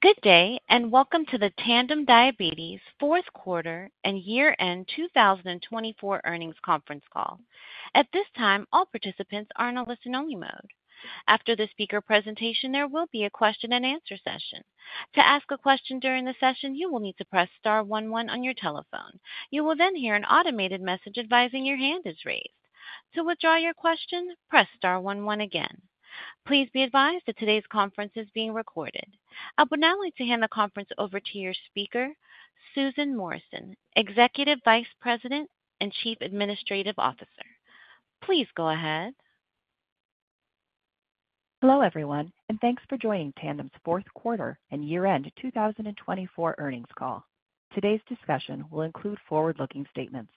Good day and welcome to the Tandem Diabetes Fourth Quarter and Year-End 2024 Earnings Conference Call. At this time, all participants are in a listen-only mode. After the speaker presentation, there will be a question-and-answer session. To ask a question during the session, you will need to press star 11 on your telephone. You will then hear an automated message advising your hand is raised. To withdraw your question, press star 11 again. Please be advised that today's conference is being recorded. I would now like to hand the conference over to your speaker, Susan Morrison, Executive Vice President and Chief Administrative Officer. Please go ahead. Hello, everyone, and thanks for joining Tandem's Fourth Quarter and Year-End 2024 Earnings Call. Today's discussion will include forward-looking statements.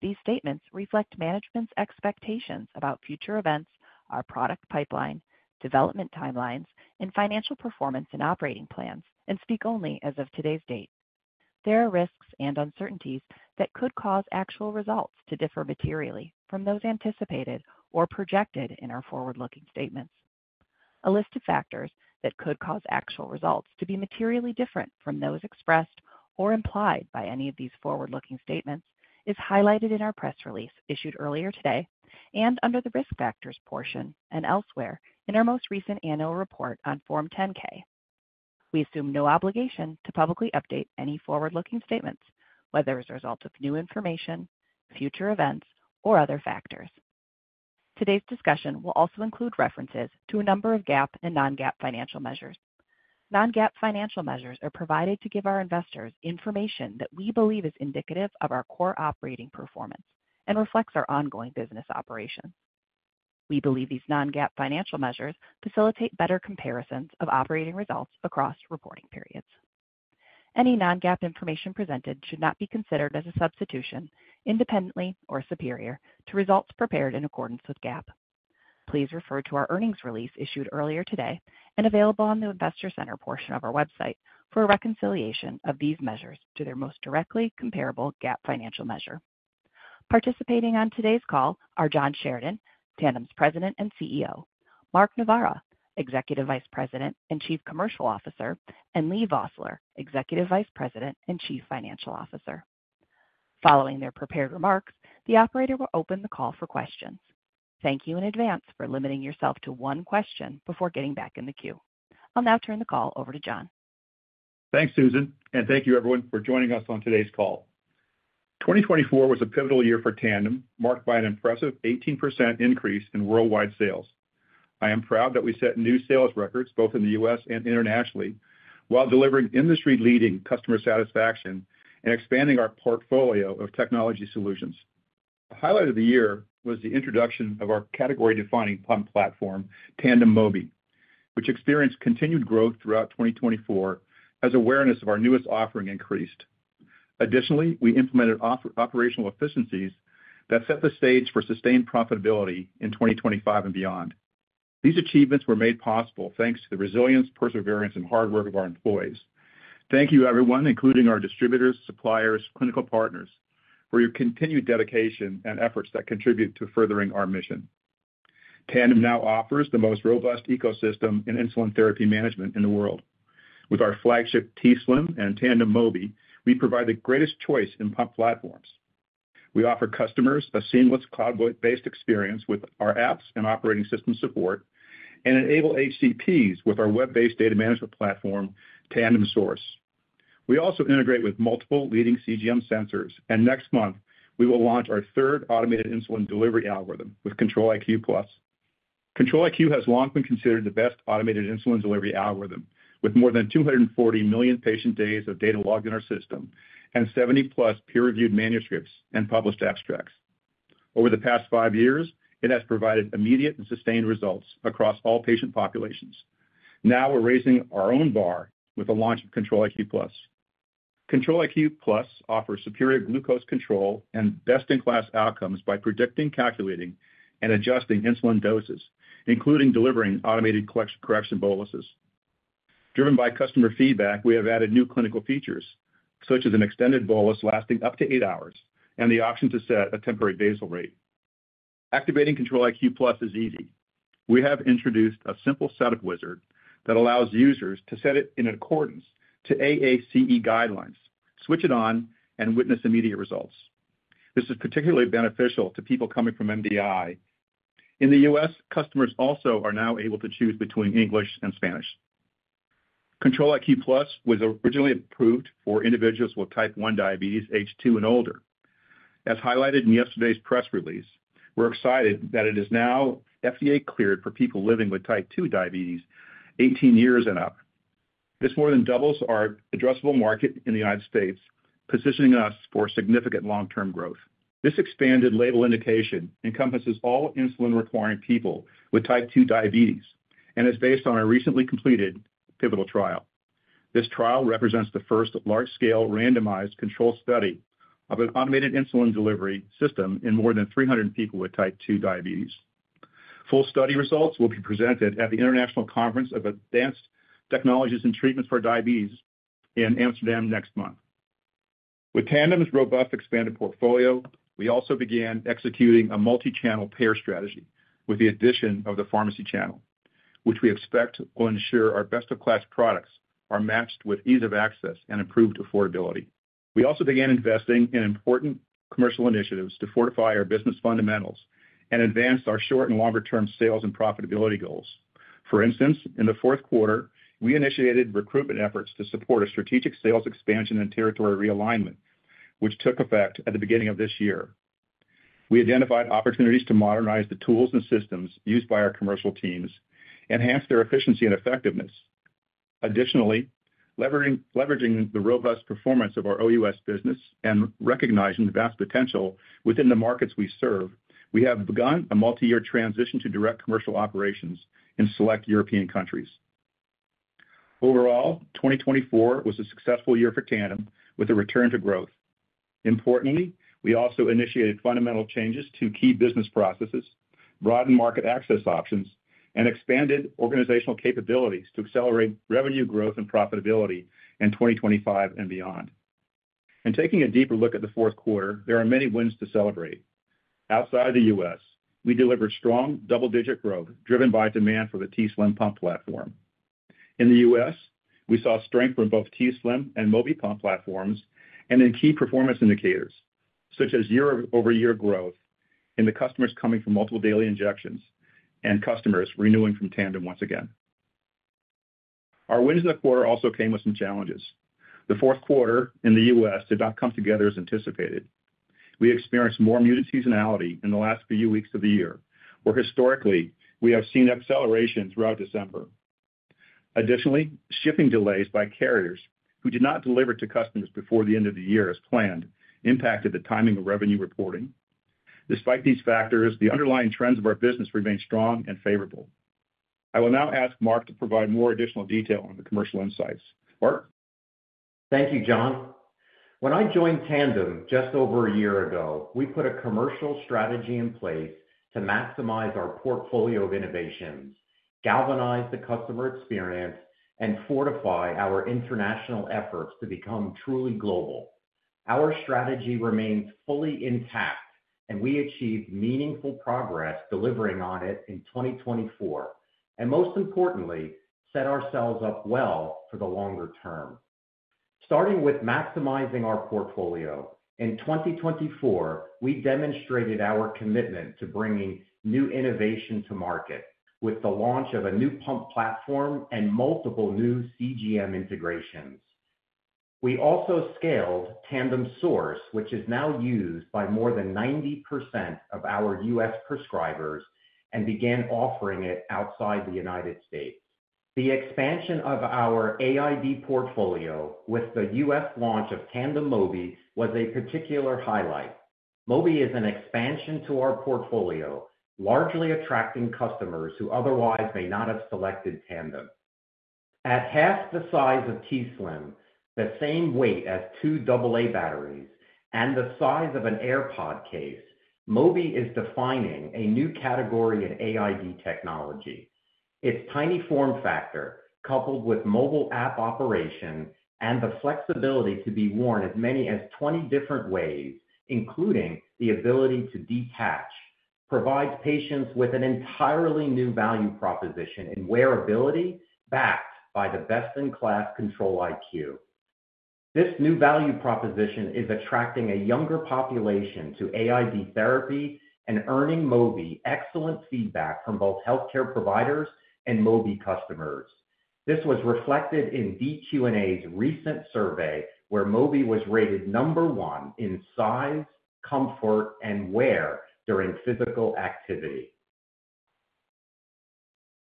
These statements reflect management's expectations about future events, our product pipeline, development timelines, and financial performance and operating plans, and speak only as of today's date. There are risks and uncertainties that could cause actual results to differ materially from those anticipated or projected in our forward-looking statements. A list of factors that could cause actual results to be materially different from those expressed or implied by any of these forward-looking statements is highlighted in our press release issued earlier today and under the risk factors portion and elsewhere in our most recent annual report on Form 10-K. We assume no obligation to publicly update any forward-looking statements, whether as a result of new information, future events, or other factors. Today's discussion will also include references to a number of GAAP and non-GAAP financial measures. Non-GAAP financial measures are provided to give our investors information that we believe is indicative of our core operating performance and reflects our ongoing business operations. We believe these non-GAAP financial measures facilitate better comparisons of operating results across reporting periods. Any non-GAAP information presented should not be considered as a substitution, independently or superior, to results prepared in accordance with GAAP. Please refer to our earnings release issued earlier today and available on the Investor Center portion of our website for a reconciliation of these measures to their most directly comparable GAAP financial measure. Participating on today's call are John Sheridan, Tandem's President and CEO, Mark Novara, Executive Vice President and Chief Commercial Officer, and Leigh Vosseller, Executive Vice President and Chief Financial Officer. Following their prepared remarks, the operator will open the call for questions. Thank you in advance for limiting yourself to one question before getting back in the queue. I'll now turn the call over to John. Thanks, Susan, and thank you, everyone, for joining us on today's call. 2024 was a pivotal year for Tandem, marked by an impressive 18% increase in worldwide sales. I am proud that we set new sales records both in the U.S. and internationally while delivering industry-leading customer satisfaction and expanding our portfolio of technology solutions. A highlight of the year was the introduction of our category-defining platform, Tandem Mobi, which experienced continued growth throughout 2024 as awareness of our newest offering increased. Additionally, we implemented operational efficiencies that set the stage for sustained profitability in 2025 and beyond. These achievements were made possible thanks to the resilience, perseverance, and hard work of our employees. Thank you, everyone, including our distributors, suppliers, and clinical partners, for your continued dedication and efforts that contribute to furthering our mission. Tandem now offers the most robust ecosystem in insulin therapy management in the world. With our flagship t:slim X2 and Tandem Mobi, we provide the greatest choice in pump platforms. We offer customers a seamless cloud-based experience with our apps and operating system support and enable HCPs with our web-based data management platform, Tandem Source. We also integrate with multiple leading CGM sensors, and next month, we will launch our third automated insulin delivery algorithm with Control-IQ Plus. Control-IQ has long been considered the best automated insulin delivery algorithm, with more than 240 million patient days of data logged in our system and 70-plus peer-reviewed manuscripts and published abstracts. Over the past five years, it has provided immediate and sustained results across all patient populations. Now we're raising our own bar with the launch of Control-IQ Plus. Control-IQ Plus offers superior glucose control and best-in-class outcomes by predicting, calculating, and adjusting insulin doses, including delivering automated correction boluses. Driven by customer feedback, we have added new clinical features, such as an extended bolus lasting up to eight hours and the option to set a temporary basal rate. Activating Control-IQ Plus is easy. We have introduced a simple setup wizard that allows users to set it in accordance to AACE guidelines, switch it on, and witness immediate results. This is particularly beneficial to people coming from MDI. In the U.S., customers also are now able to choose between English and Spanish. Control-IQ Plus was originally approved for individuals with type 1 diabetes, age two and older. As highlighted in yesterday's press release, we're excited that it is now FDA-cleared for people living with type 2 diabetes, 18 years and up. This more than doubles our addressable market in the United States, positioning us for significant long-term growth. This expanded label indication encompasses all insulin-requiring people with type 2 diabetes and is based on a recently completed pivotal trial. This trial represents the first large-scale randomized controlled study of an automated insulin delivery system in more than 300 people with type 2 diabetes. Full study results will be presented at the International Conference of Advanced Technologies and Treatments for Diabetes in Amsterdam next month. With Tandem's robust expanded portfolio, we also began executing a multi-channel payer strategy with the addition of the pharmacy channel, which we expect will ensure our best-of-class products are matched with ease of access and improved affordability. We also began investing in important commercial initiatives to fortify our business fundamentals and advance our short and longer-term sales and profitability goals. For instance, in the fourth quarter, we initiated recruitment efforts to support a strategic sales expansion and territory realignment, which took effect at the beginning of this year. We identified opportunities to modernize the tools and systems used by our commercial teams, enhance their efficiency and effectiveness. Additionally, leveraging the robust performance of our OUS business and recognizing the vast potential within the markets we serve, we have begun a multi-year transition to direct commercial operations in select European countries. Overall, 2024 was a successful year for Tandem with a return to growth. Importantly, we also initiated fundamental changes to key business processes, broadened market access options, and expanded organizational capabilities to accelerate revenue growth and profitability in 2025 and beyond. In taking a deeper look at the fourth quarter, there are many wins to celebrate. Outside of the U.S., we delivered strong double-digit growth driven by demand for the t:slim pump platform. In the U.S., we saw strength from both t:slim and Mobi pump platforms and then key performance indicators such as year-over-year growth in the customers coming from multiple daily injections and customers renewing from Tandem once again. Our wins in the quarter also came with some challenges. The fourth quarter in the U.S. did not come together as anticipated. We experienced more muted seasonality in the last few weeks of the year, where historically we have seen acceleration throughout December. Additionally, shipping delays by carriers who did not deliver to customers before the end of the year as planned impacted the timing of revenue reporting. Despite these factors, the underlying trends of our business remain strong and favorable. I will now ask Mark to provide more additional detail on the commercial insights. Mark? Thank you, John. When I joined Tandem just over a year ago, we put a commercial strategy in place to maximize our portfolio of innovations, galvanize the customer experience, and fortify our international efforts to become truly global. Our strategy remains fully intact, and we achieved meaningful progress delivering on it in 2024 and, most importantly, set ourselves up well for the longer term. Starting with maximizing our portfolio, in 2024, we demonstrated our commitment to bringing new innovation to market with the launch of a new pump platform and multiple new CGM integrations. We also scaled Tandem Source, which is now used by more than 90% of our U.S. prescribers, and began offering it outside the United States. The expansion of our AID portfolio with the U.S. launch of Tandem Mobi was a particular highlight. Mobi is an expansion to our portfolio, largely attracting customers who otherwise may not have selected Tandem. At half the size of t:slim, the same weight as two AA batteries, and the size of an AirPod case, Mobi is defining a new category in AID technology. Its tiny form factor, coupled with mobile app operation and the flexibility to be worn as many as 20 different ways, including the ability to detach, provides patients with an entirely new value proposition in wearability backed by the best-in-class Control-IQ. This new value proposition is attracting a younger population to AID therapy and earning Mobi excellent feedback from both healthcare providers and Mobi customers. This was reflected in dQ&A's recent survey, where Mobi was rated number one in size, comfort, and wear during physical activity.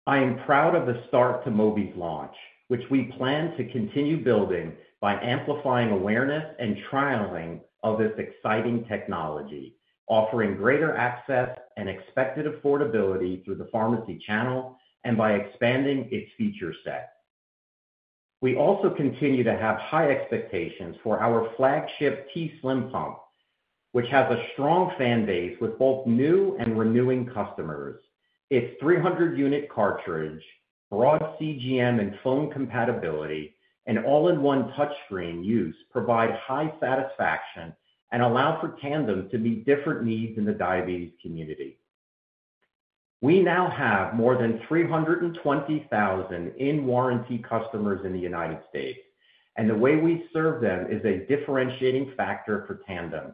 I am proud of the start to Mobi's launch, which we plan to continue building by amplifying awareness and trialing of this exciting technology, offering greater access and expected affordability through the pharmacy channel and by expanding its feature set. We also continue to have high expectations for our flagship t:slim pump, which has a strong fan base with both new and renewing customers. Its 300-unit cartridge, broad CGM and AID compatibility, and all-in-one touchscreen use provide high satisfaction and allow for Tandem to meet different needs in the diabetes community. We now have more than 320,000 in-warranty customers in the United States, and the way we serve them is a differentiating factor for Tandem.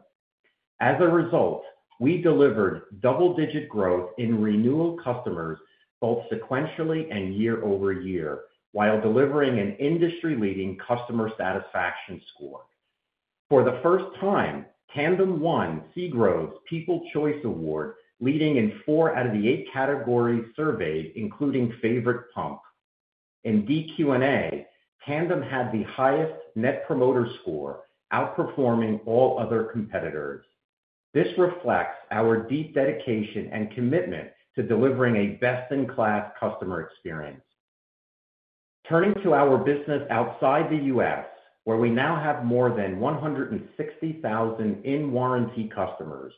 As a result, we delivered double-digit growth in renewal customers both sequentially and year-over-year while delivering an industry-leading customer satisfaction score. For the first time, Tandem won Seagrove's People's Choice Award, leading in four out of the eight category surveys, including favorite pump. In dQ&A, Tandem had the highest net promoter score, outperforming all other competitors. This reflects our deep dedication and commitment to delivering a best-in-class customer experience. Turning to our business outside the U.S., where we now have more than 160,000 in-warranty customers,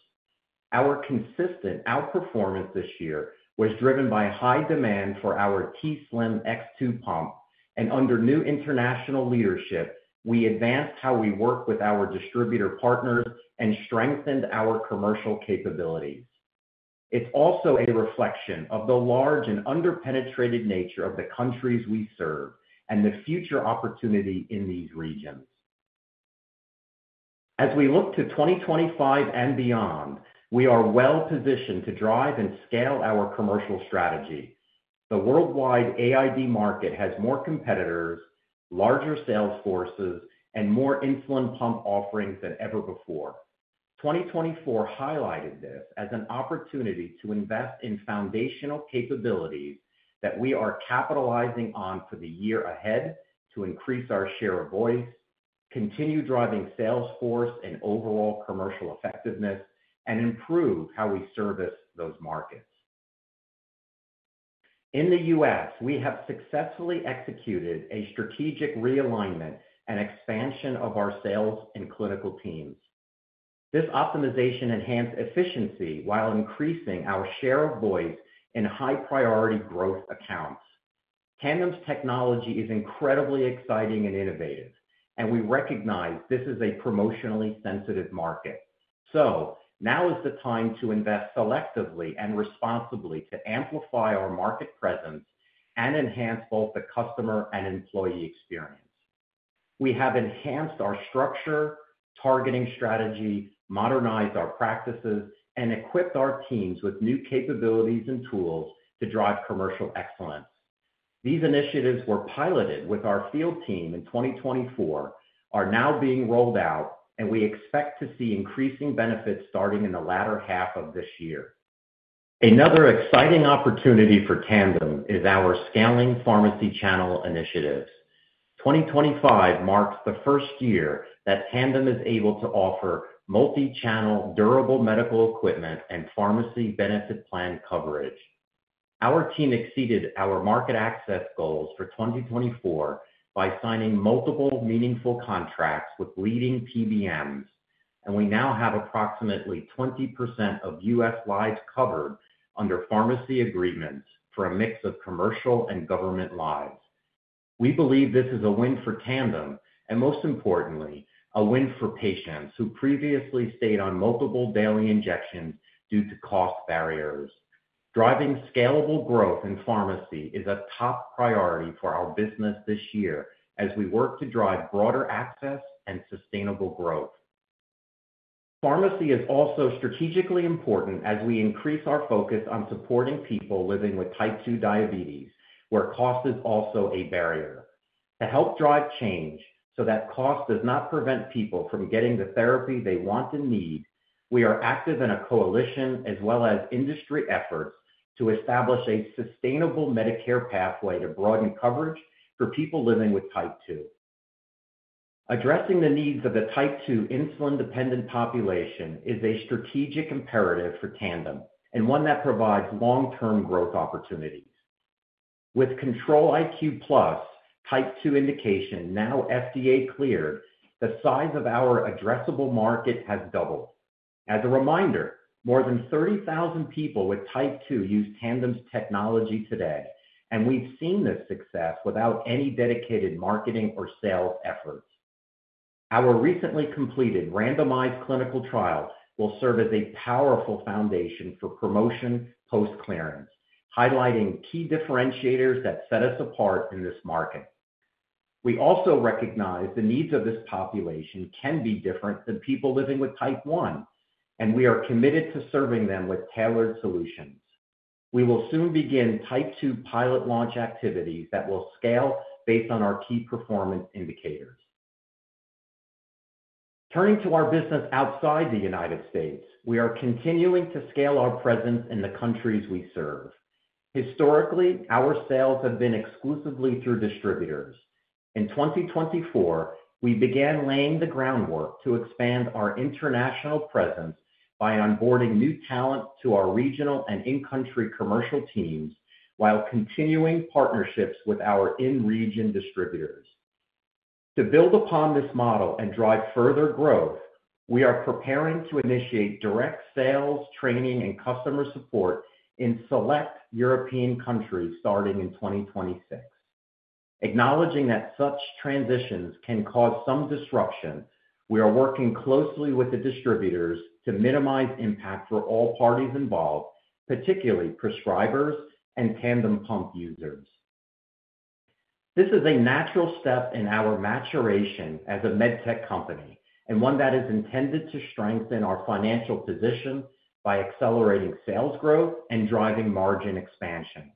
our consistent outperformance this year was driven by high demand for our t:slim X2 pump, and under new international leadership, we advanced how we work with our distributor partners and strengthened our commercial capabilities. It's also a reflection of the large and underpenetrated nature of the countries we serve and the future opportunity in these regions. As we look to 2025 and beyond, we are well-positioned to drive and scale our commercial strategy. The worldwide AID market has more competitors, larger sales forces, and more insulin pump offerings than ever before. 2024 highlighted this as an opportunity to invest in foundational capabilities that we are capitalizing on for the year ahead to increase our share of voice, continue driving sales force and overall commercial effectiveness, and improve how we service those markets. In the U.S., we have successfully executed a strategic realignment and expansion of our sales and clinical teams. This optimization enhanced efficiency while increasing our share of voice in high-priority growth accounts. Tandem's technology is incredibly exciting and innovative, and we recognize this is a promotionally sensitive market, so now is the time to invest selectively and responsibly to amplify our market presence and enhance both the customer and employee experience. We have enhanced our structure, targeting strategy, modernized our practices, and equipped our teams with new capabilities and tools to drive commercial excellence. These initiatives were piloted with our field team in 2024, are now being rolled out, and we expect to see increasing benefits starting in the latter half of this year. Another exciting opportunity for Tandem is our scaling pharmacy channel initiatives. 2025 marks the first year that Tandem is able to offer multi-channel durable medical equipment and pharmacy benefit plan coverage. Our team exceeded our market access goals for 2024 by signing multiple meaningful contracts with leading PBMs, and we now have approximately 20% of U.S. lives covered under pharmacy agreements for a mix of commercial and government lives. We believe this is a win for Tandem and, most importantly, a win for patients who previously stayed on multiple daily injections due to cost barriers. Driving scalable growth in pharmacy is a top priority for our business this year as we work to drive broader access and sustainable growth. Pharmacy is also strategically important as we increase our focus on supporting people living with type 2 diabetes, where cost is also a barrier. To help drive change so that cost does not prevent people from getting the therapy they want and need, we are active in a coalition as well as industry efforts to establish a sustainable Medicare pathway to broaden coverage for people living with type 2. Addressing the needs of the type 2 insulin-dependent population is a strategic imperative for Tandem and one that provides long-term growth opportunities. With Control-IQ Plus type 2 indication now FDA-cleared, the size of our addressable market has doubled. As a reminder, more than 30,000 people with type 2 use Tandem's technology today, and we've seen this success without any dedicated marketing or sales efforts. Our recently completed randomized clinical trial will serve as a powerful foundation for promotion post-clearance, highlighting key differentiators that set us apart in this market. We also recognize the needs of this population can be different than people living with type 1, and we are committed to serving them with tailored solutions. We will soon begin type 2 pilot launch activities that will scale based on our key performance indicators. Turning to our business outside the United States, we are continuing to scale our presence in the countries we serve. Historically, our sales have been exclusively through distributors. In 2024, we began laying the groundwork to expand our international presence by onboarding new talent to our regional and in-country commercial teams while continuing partnerships with our in-region distributors. To build upon this model and drive further growth, we are preparing to initiate direct sales, training, and customer support in select European countries starting in 2026. Acknowledging that such transitions can cause some disruption, we are working closely with the distributors to minimize impact for all parties involved, particularly prescribers and Tandem pump users. This is a natural step in our maturation as a med tech company and one that is intended to strengthen our financial position by accelerating sales growth and driving margin expansion.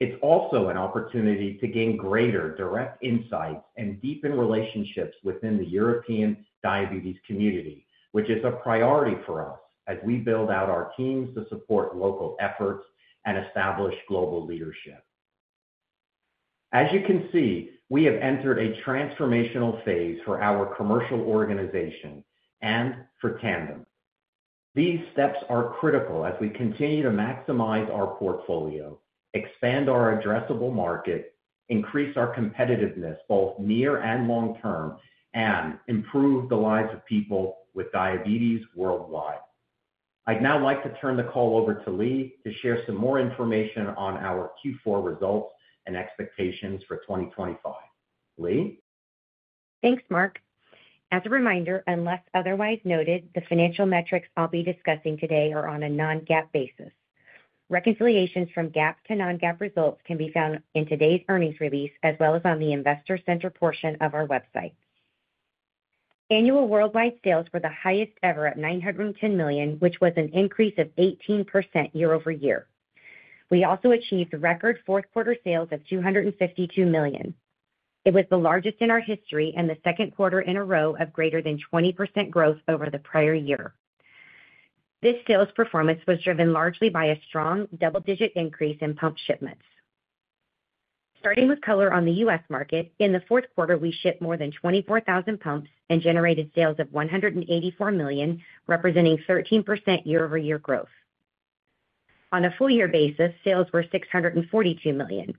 It's also an opportunity to gain greater direct insights and deepen relationships within the European diabetes community, which is a priority for us as we build out our teams to support local efforts and establish global leadership. As you can see, we have entered a transformational phase for our commercial organization and for Tandem. These steps are critical as we continue to maximize our portfolio, expand our addressable market, increase our competitiveness both near and long term, and improve the lives of people with diabetes worldwide. I'd now like to turn the call over to Leigh to share some more information on our Q4 results and expectations for 2025. Leigh? Thanks, Mark. As a reminder, unless otherwise noted, the financial metrics I'll be discussing today are on a non-GAAP basis. Reconciliations from GAAP to non-GAAP results can be found in today's earnings release as well as on the Investor Center portion of our website. Annual worldwide sales were the highest ever at $910 million, which was an increase of 18% year over year. We also achieved record fourth-quarter sales of $252 million. It was the largest in our history and the second quarter in a row of greater than 20% growth over the prior year. This sales performance was driven largely by a strong double-digit increase in pump shipments. Starting with color on the U.S. market, in the fourth quarter, we shipped more than 24,000 pumps and generated sales of $184 million, representing 13% year-over-year growth. On a full-year basis, sales were $642 million.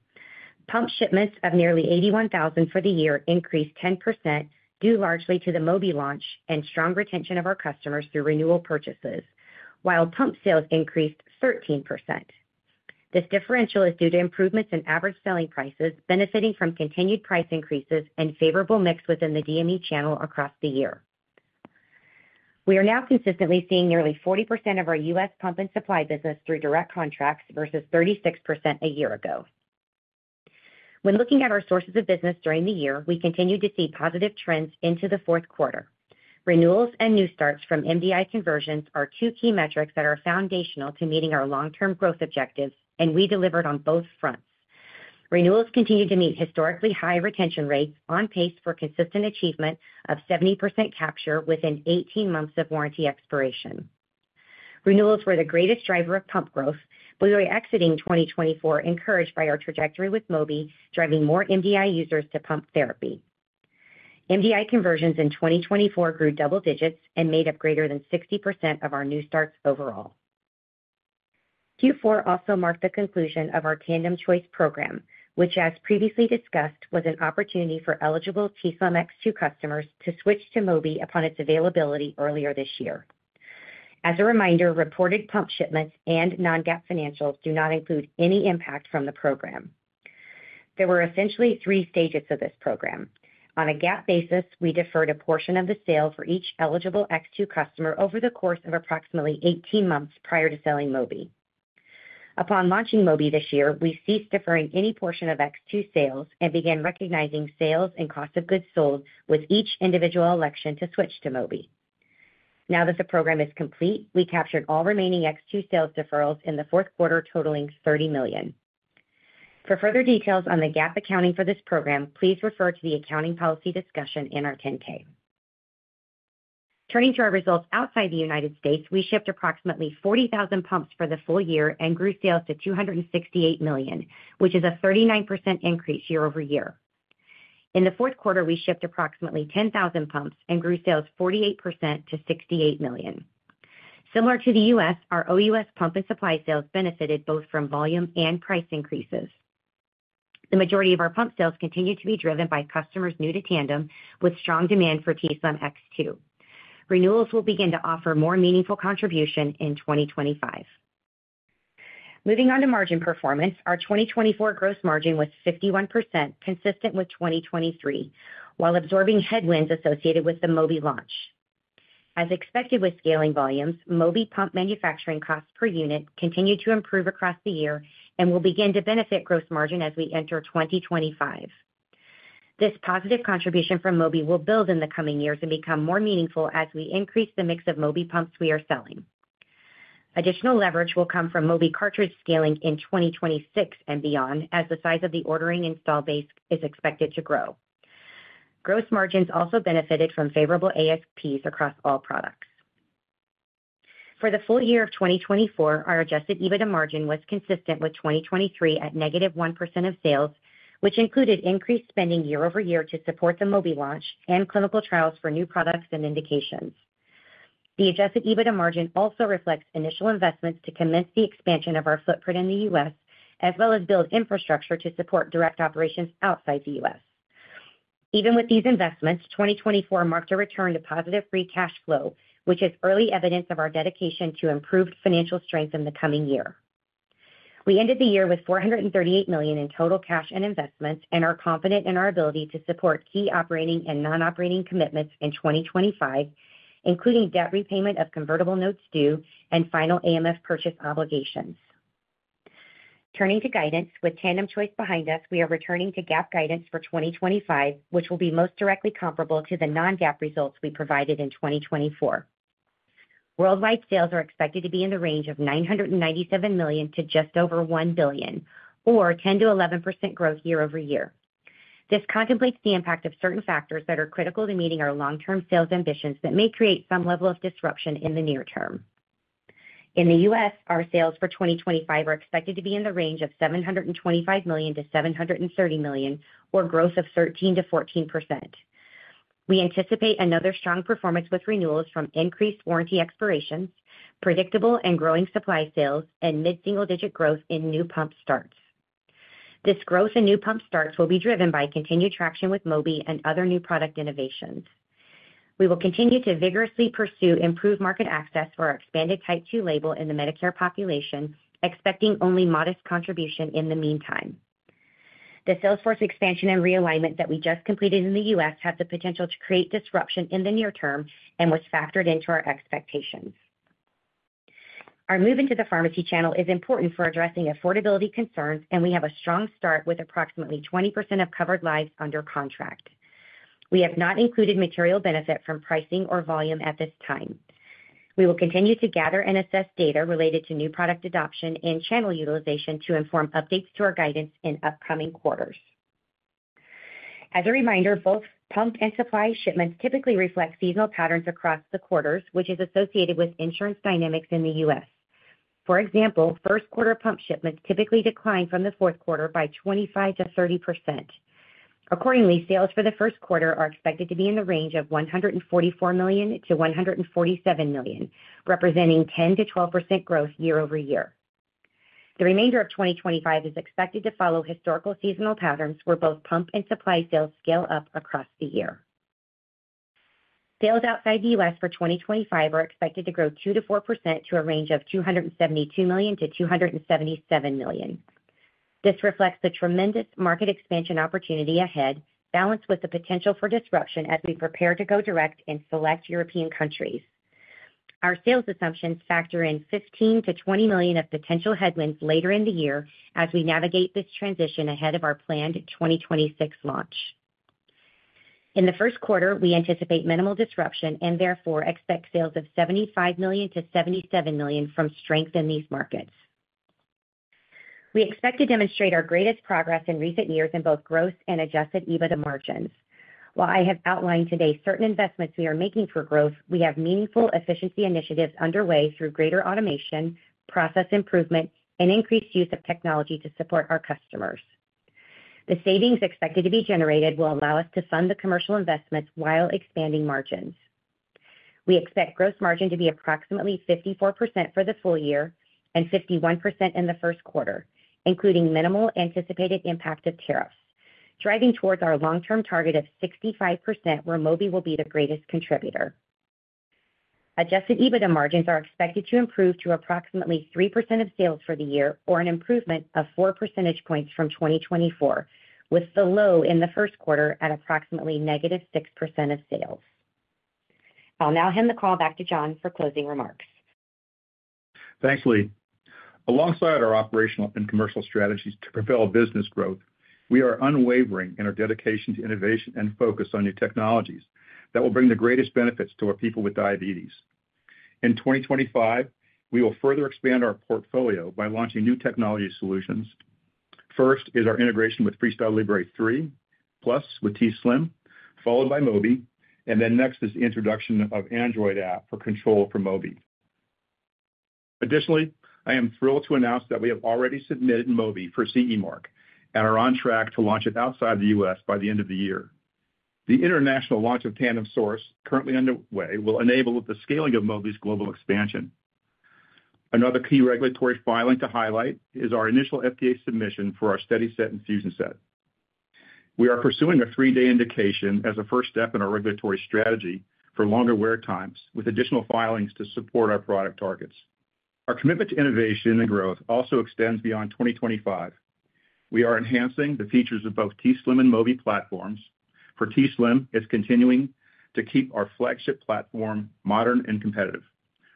Pump shipments of nearly 81,000 for the year increased 10% due largely to the Mobi launch and strong retention of our customers through renewal purchases, while pump sales increased 13%. This differential is due to improvements in average selling prices, benefiting from continued price increases and favorable mix within the DME channel across the year. We are now consistently seeing nearly 40% of our U.S. pump and supply business through direct contracts versus 36% a year ago. When looking at our sources of business during the year, we continue to see positive trends into the fourth quarter. Renewals and new starts from MDI conversions are two key metrics that are foundational to meeting our long-term growth objectives, and we delivered on both fronts. Renewals continue to meet historically high retention rates, on pace for consistent achievement of 70% capture within 18 months of warranty expiration. Renewals were the greatest driver of pump growth, but we are exiting 2024 encouraged by our trajectory with Mobi, driving more MDI users to pump therapy. MDI conversions in 2024 grew double digits and made up greater than 60% of our new starts overall. Q4 also marked the conclusion of our Tandem Choice Program, which, as previously discussed, was an opportunity for eligible t:slim X2 customers to switch to Mobi upon its availability earlier this year. As a reminder, reported pump shipments and non-GAAP financials do not include any impact from the program. There were essentially three stages of this program. On a GAAP basis, we deferred a portion of the sale for each eligible X2 customer over the course of approximately 18 months prior to selling Mobi. Upon launching Mobi this year, we ceased deferring any portion of X2 sales and began recognizing sales and cost of goods sold with each individual election to switch to Mobi. Now that the program is complete, we captured all remaining X2 sales deferrals in the fourth quarter, totaling $30 million. For further details on the GAAP accounting for this program, please refer to the accounting policy discussion in our 10-K. Turning to our results outside the United States, we shipped approximately 40,000 pumps for the full year and grew sales to $268 million, which is a 39% increase year over year. In the fourth quarter, we shipped approximately 10,000 pumps and grew sales 48% to $68 million. Similar to the U.S., our OUS pump and supply sales benefited both from volume and price increases. The majority of our pump sales continue to be driven by customers new to Tandem with strong demand for t:slim X2. Renewals will begin to offer more meaningful contribution in 2025. Moving on to margin performance, our 2024 gross margin was 51%, consistent with 2023, while absorbing headwinds associated with the Mobi launch. As expected with scaling volumes, Mobi pump manufacturing costs per unit continue to improve across the year and will begin to benefit gross margin as we enter 2025. This positive contribution from Mobi will build in the coming years and become more meaningful as we increase the mix of Mobi pumps we are selling. Additional leverage will come from Mobi cartridge scaling in 2026 and beyond as the size of the ordering install base is expected to grow. Gross margins also benefited from favorable ASPs across all products. For the full year of 2024, our adjusted EBITDA margin was consistent with 2023 at negative 1% of sales, which included increased spending year over year to support the Mobi launch and clinical trials for new products and indications. The adjusted EBITDA margin also reflects initial investments to commence the expansion of our footprint in the U.S., as well as build infrastructure to support direct operations outside the U.S. Even with these investments, 2024 marked a return to positive free cash flow, which is early evidence of our dedication to improved financial strength in the coming year. We ended the year with $438 million in total cash and investments and are confident in our ability to support key operating and non-operating commitments in 2025, including debt repayment of convertible notes due and final AMF purchase obligations. Turning to guidance, with Tandem Choice behind us, we are returning to GAAP guidance for 2025, which will be most directly comparable to the non-GAAP results we provided in 2024. Worldwide sales are expected to be in the range of $997 million to just over $1 billion, or 10%-11% growth year over year. This contemplates the impact of certain factors that are critical to meeting our long-term sales ambitions that may create some level of disruption in the near term. In the U.S., our sales for 2025 are expected to be in the range of $725 million to $730 million, or growth of 13%-14%. We anticipate another strong performance with renewals from increased warranty expirations, predictable and growing supply sales, and mid-single-digit growth in new pump starts. This growth in new pump starts will be driven by continued traction with Mobi and other new product innovations. We will continue to vigorously pursue improved market access for our expanded Type 2 label in the Medicare population, expecting only modest contribution in the meantime. The sales force expansion and realignment that we just completed in the U.S. has the potential to create disruption in the near term and was factored into our expectations. Our move into the pharmacy channel is important for addressing affordability concerns, and we have a strong start with approximately 20% of covered lives under contract. We have not included material benefit from pricing or volume at this time. We will continue to gather and assess data related to new product adoption and channel utilization to inform updates to our guidance in upcoming quarters. As a reminder, both pump and supply shipments typically reflect seasonal patterns across the quarters, which is associated with insurance dynamics in the U.S. For example, first-quarter pump shipments typically decline from the fourth quarter by 25%-30%. Accordingly, sales for the first quarter are expected to be in the range of $144 million-$147 million, representing 10%-12% growth year over year. The remainder of 2025 is expected to follow historical seasonal patterns where both pump and supply sales scale up across the year. Sales outside the U.S. for 2025 are expected to grow 2%-4% to a range of $272 million-$277 million. This reflects the tremendous market expansion opportunity ahead, balanced with the potential for disruption as we prepare to go direct in select European countries. Our sales assumptions factor in $15 million-$20 million of potential headwinds later in the year as we navigate this transition ahead of our planned 2026 launch. In the first quarter, we anticipate minimal disruption and therefore expect sales of $75 million-$77 million from strength in these markets. We expect to demonstrate our greatest progress in recent years in both gross and Adjusted EBITDA margins. While I have outlined today certain investments we are making for growth, we have meaningful efficiency initiatives underway through greater automation, process improvement, and increased use of technology to support our customers. The savings expected to be generated will allow us to fund the commercial investments while expanding margins. We expect gross margin to be approximately 54% for the full year and 51% in the first quarter, including minimal anticipated impact of tariffs. Driving towards our long-term target of 65%, where Mobi will be the greatest contributor. Adjusted EBITDA margins are expected to improve to approximately 3% of sales for the year, or an improvement of 4 percentage points from 2024, with the low in the first quarter at approximately negative 6% of sales. I'll now hand the call back to John for closing remarks. Thanks, Leigh. Alongside our operational and commercial strategies to propel business growth, we are unwavering in our dedication to innovation and focus on new technologies that will bring the greatest benefits to our people with diabetes. In 2025, we will further expand our portfolio by launching new technology solutions. First is our integration with FreeStyle Libre 3 Plus with t:slim, followed by Mobi, and then next is the introduction of Android app for Control-IQ for Mobi. Additionally, I am thrilled to announce that we have already submitted Mobi for CE Mark and are on track to launch it outside the U.S. by the end of the year. The international launch of Tandem Source currently underway will enable the scaling of Mobi's global expansion. Another key regulatory filing to highlight is our initial FDA submission for our t:lock infusion set. We are pursuing a three-day indication as a first step in our regulatory strategy for longer wear times with additional filings to support our product targets. Our commitment to innovation and growth also extends beyond 2025. We are enhancing the features of both t:slim and Mobi platforms. For t:slim, it's continuing to keep our flagship platform modern and competitive.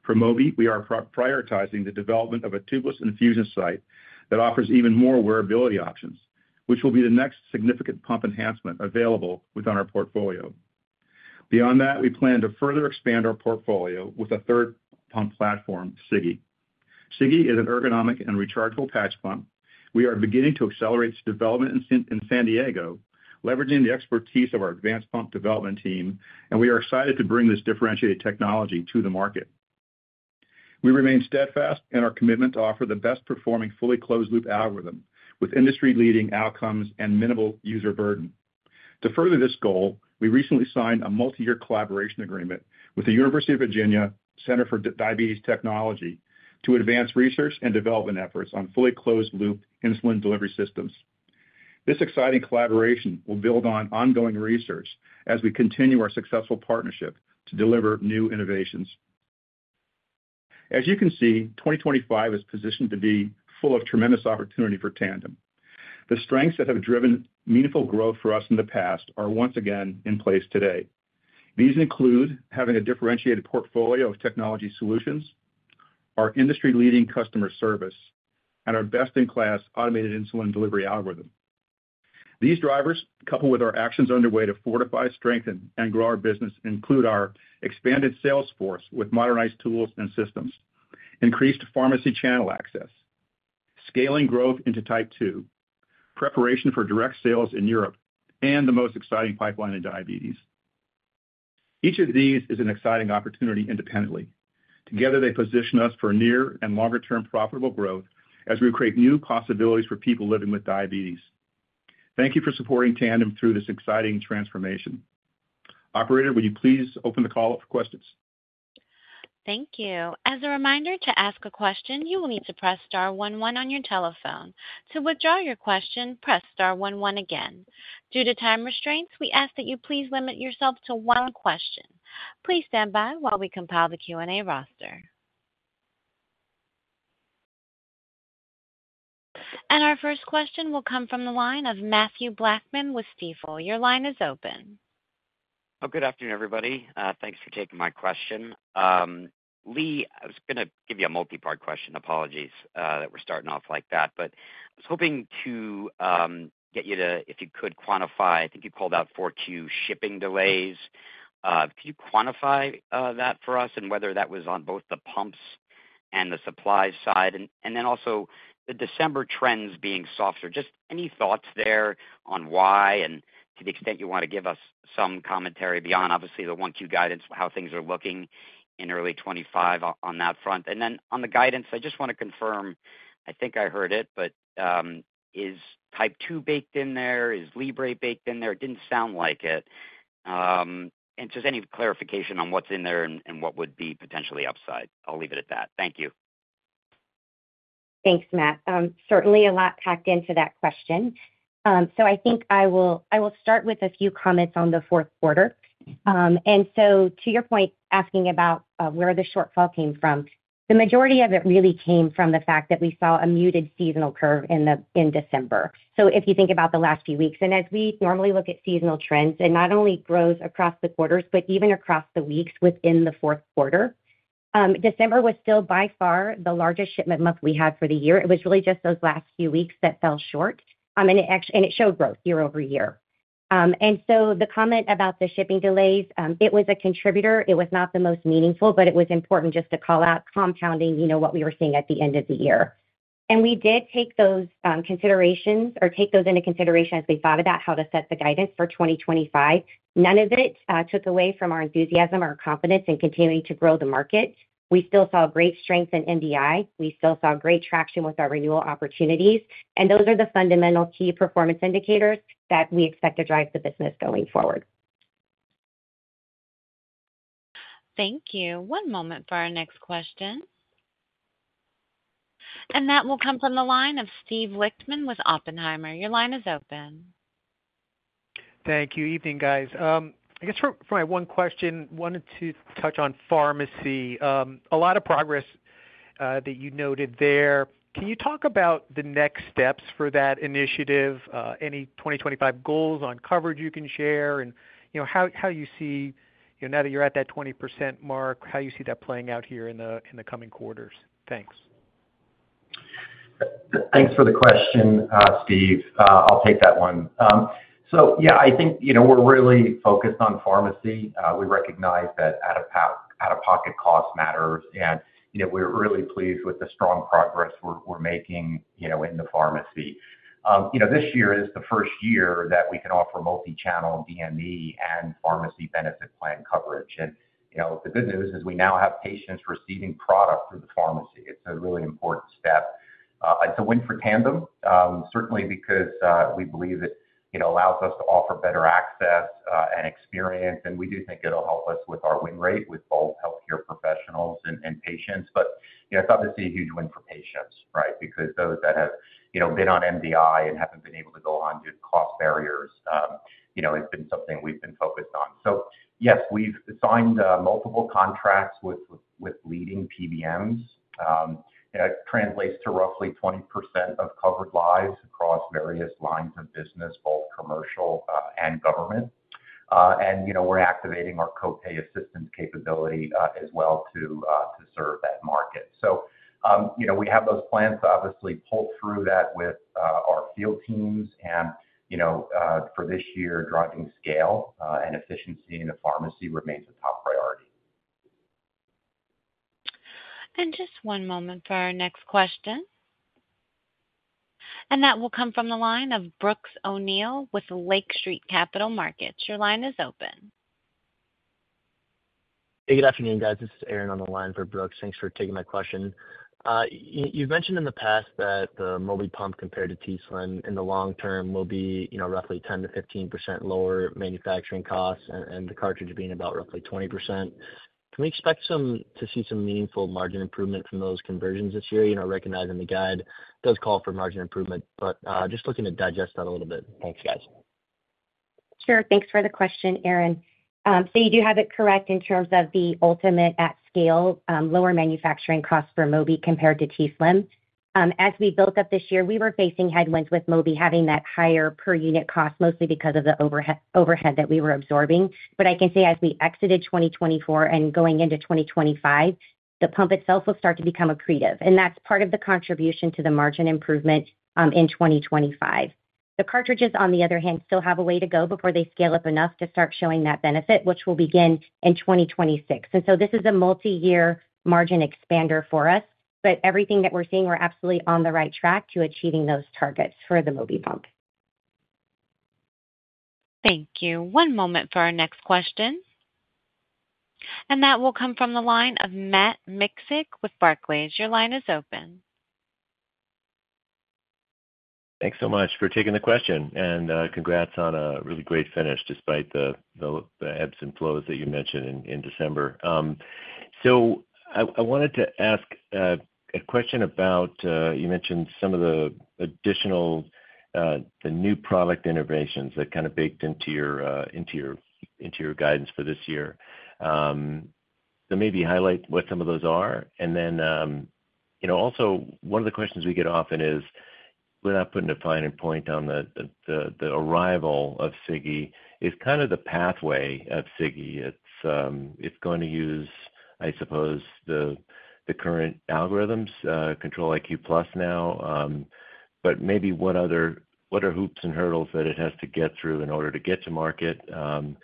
For Mobi, we are prioritizing the development of a tubeless infusion site that offers even more wearability options, which will be the next significant pump enhancement available within our portfolio. Beyond that, we plan to further expand our portfolio with a third pump platform, Sigi. Sigi is an ergonomic and rechargeable patch pump. We are beginning to accelerate its development in San Diego, leveraging the expertise of our advanced pump development team, and we are excited to bring this differentiated technology to the market. We remain steadfast in our commitment to offer the best-performing fully closed-loop algorithm with industry-leading outcomes and minimal user burden. To further this goal, we recently signed a multi-year collaboration agreement with the University of Virginia Center for Diabetes Technology to advance research and development efforts on fully closed-loop insulin delivery systems. This exciting collaboration will build on ongoing research as we continue our successful partnership to deliver new innovations. As you can see, 2025 is positioned to be full of tremendous opportunity for Tandem. The strengths that have driven meaningful growth for us in the past are once again in place today. These include having a differentiated portfolio of technology solutions, our industry-leading customer service, and our best-in-class automated insulin delivery algorithm. These drivers, coupled with our actions underway to fortify, strengthen, and grow our business, include our expanded sales force with modernized tools and systems, increased pharmacy channel access, scaling growth into type 2, preparation for direct sales in Europe, and the most exciting pipeline in diabetes. Each of these is an exciting opportunity independently. Together, they position us for near and longer-term profitable growth as we create new possibilities for people living with diabetes. Thank you for supporting Tandem through this exciting transformation. Operator, would you please open the call up for questions? Thank you. As a reminder to ask a question, you will need to press star 11 on your telephone. To withdraw your question, press star 11 again. Due to time restraints, we ask that you please limit yourself to one question. Please stand by while we compile the Q&A roster. And our first question will come from the line of Matthew Blackman with Stifel. Your line is open. Oh, good afternoon, everybody. Thanks for taking my question. Leigh, I was going to give you a multi-part question. Apologies that we're starting off like that, but I was hoping to get you to, if you could, quantify. I think you called out four Q shipping delays. Could you quantify that for us and whether that was on both the pumps and the supply side? And then also the December trends being softer. Just any thoughts there on why and to the extent you want to give us some commentary beyond, obviously, the one Q guidance, how things are looking in early 2025 on that front? And then on the guidance, I just want to confirm. I think I heard it, but is type 2 baked in there? Is Libre baked in there? It didn't sound like it. And just any clarification on what's in there and what would be potentially upside? I'll leave it at that. Thank you. Thanks, Matt. Certainly a lot packed into that question. So I think I will start with a few comments on the fourth quarter. And so to your point, asking about where the shortfall came from, the majority of it really came from the fact that we saw a muted seasonal curve in December. So if you think about the last few weeks, and as we normally look at seasonal trends, it not only grows across the quarters, but even across the weeks within the fourth quarter, December was still by far the largest shipment month we had for the year. It was really just those last few weeks that fell short, and it showed growth year over year. And so the comment about the shipping delays, it was a contributor. It was not the most meaningful, but it was important just to call out compounding what we were seeing at the end of the year, and we did take those considerations or take those into consideration as we thought about how to set the guidance for 2025. None of it took away from our enthusiasm, our confidence, and continuing to grow the market. We still saw great strength in NDI. We still saw great traction with our renewal opportunities, and those are the fundamental key performance indicators that we expect to drive the business going forward. Thank you. One moment for our next question, and that will come from the line of Steve Lichtman with Oppenheimer. Your line is open. Thank you. Evening, guys. I guess for my one question, wanted to touch on pharmacy. A lot of progress that you noted there. Can you talk about the next steps for that initiative? Any 2025 goals on coverage you can share and how you see, now that you're at that 20% mark, how you see that playing out here in the coming quarters? Thanks. Thanks for the question, Steve. I'll take that one, so yeah, I think we're really focused on pharmacy. We recognize that out-of-pocket cost matters, and we're really pleased with the strong progress we're making in the pharmacy. This year is the first year that we can offer multi-channel DME and pharmacy benefit plan coverage, and the good news is we now have patients receiving product through the pharmacy. It's a really important step. It's a win for Tandem, certainly because we believe it allows us to offer better access and experience, and we do think it'll help us with our win rate with both healthcare professionals and patients, but it's obviously a huge win for patients, right? Because those that have been on MDI and haven't been able to go on due to cost barriers has been something we've been focused on. So yes, we've signed multiple contracts with leading PBMs. It translates to roughly 20% of covered lives across various lines of business, both commercial and government. And we're activating our copay assistance capability as well to serve that market. So we have those plans, obviously, pull through that with our field teams. And for this year, driving scale and efficiency in the pharmacy remains a top priority. Just one moment for our next question. That will come from the line of Brooks O'Neill with Lake Street Capital Markets. Your line is open. Hey, good afternoon, guys. This is Aaron on the line for Brooks. Thanks for taking my question. You've mentioned in the past that the Mobi pump compared to t:slim in the long term will be roughly 10%-15% lower manufacturing costs and the cartridge being about roughly 20%. Can we expect to see some meaningful margin improvement from those conversions this year, recognizing the guide does call for margin improvement? But just looking to digest that a little bit. Thanks, guys. Sure. Thanks for the question, Aaron. So you do have it correct in terms of the ultimate at scale, lower manufacturing costs for Mobi compared to t:slim. As we built up this year, we were facing headwinds with Mobi having that higher per unit cost, mostly because of the overhead that we were absorbing. But I can say as we exited 2024 and going into 2025, the pump itself will start to become accretive. And that's part of the contribution to the margin improvement in 2025. The cartridges, on the other hand, still have a way to go before they scale up enough to start showing that benefit, which will begin in 2026. And so this is a multi-year margin expander for us, but everything that we're seeing, we're absolutely on the right track to achieving those targets for the Mobi pump. Thank you. One moment for our next question. And that will come from the line of Matt Miksic with Barclays. Your line is open. Thanks so much for taking the question. And congrats on a really great finish despite the ebbs and flows that you mentioned in December. So I wanted to ask a question about you mentioned some of the additional, the new product innovations that kind of baked into your guidance for this year. So maybe highlight what some of those are. And then also, one of the questions we get often is, we're not putting a fine point on the arrival of Sigi. It's kind of the pathway of Sigi. It's going to use, I suppose, the current algorithms, Control-IQ Plus now, but maybe what are hoops and hurdles that it has to get through in order to get to market? Does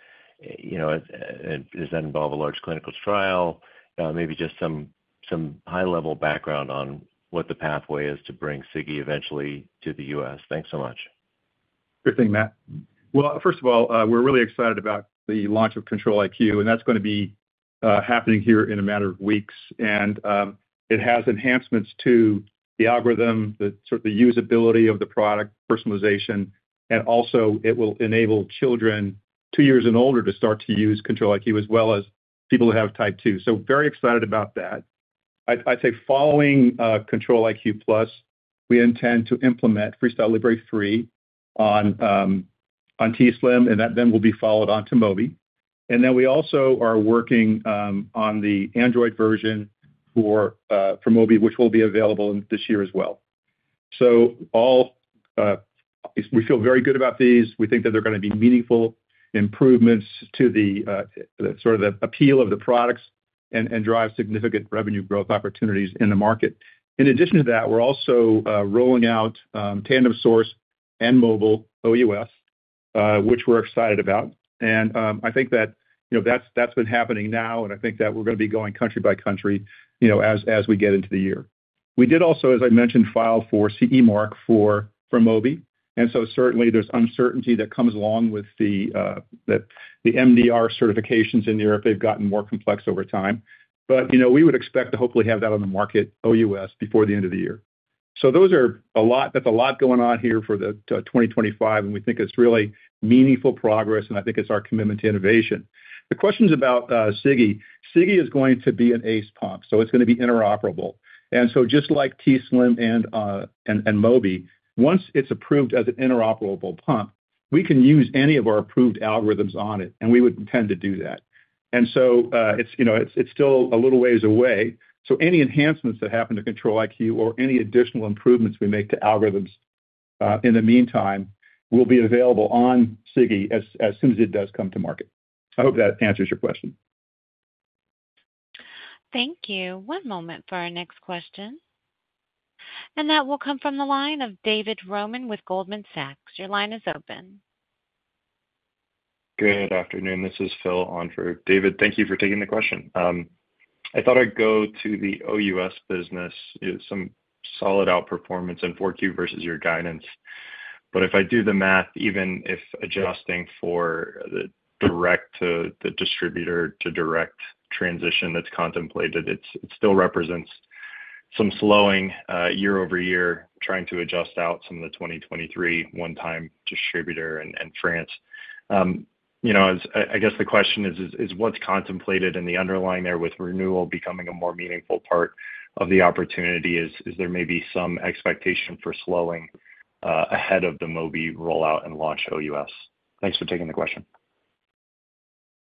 that involve a large clinical trial? Maybe just some high-level background on what the pathway is to bring Sigi eventually to the U.S. Thanks so much. Good thing, Matt. Well, first of all, we're really excited about the launch of Control-IQ, and that's going to be happening here in a matter of weeks. And it has enhancements to the algorithm, the usability of the product, personalization, and also it will enable children two years and older to start to use Control-IQ as well as people who have Type 2. So very excited about that. I'd say following Control-IQ Plus, we intend to implement FreeStyle Libre 3 on t:slim, and that then will be followed on to Mobi. And then we also are working on the Android version for Mobi, which will be available this year as well. So we feel very good about these. We think that they're going to be meaningful improvements to sort of the appeal of the products and drive significant revenue growth opportunities in the market. In addition to that, we're also rolling out Tandem Source and Mobi OUS, which we're excited about. And I think that that's been happening now, and I think that we're going to be going country by country as we get into the year. We did also, as I mentioned, file for CE Mark for Mobi. And so certainly there's uncertainty that comes along with the MDR certifications in Europe. They've gotten more complex over time. But we would expect to hopefully have that on the market OUS before the end of the year. So that's a lot going on here for 2025, and we think it's really meaningful progress, and I think it's our commitment to innovation. The question's about Sigi. Sigi is going to be an ACE pump, so it's going to be interoperable. Just like t:slim and Mobi, once it's approved as an interoperable pump, we can use any of our approved algorithms on it, and we would intend to do that. It's still a little ways away. Any enhancements that happen to Control-IQ or any additional improvements we make to algorithms in the meantime will be available on Sigi as soon as it does come to market. I hope that answers your question. Thank you. One moment for our next question, and that will come from the line of David Roman with Goldman Sachs. Your line is open. Good afternoon. This is fill and true. David, thank you for taking the question. I thought I'd go to the OUS business, some solid outperformance in 4Q versus your guidance. But if I do the math, even if adjusting for the direct to the distributor to direct transition that's contemplated, it still represents some slowing year over year, trying to adjust out some of the 2023 one-time distributor and France. I guess the question is, what's contemplated in the underlying there with renewal becoming a more meaningful part of the opportunity? Is there maybe some expectation for slowing ahead of the Mobi rollout and launch OUS? Thanks for taking the question.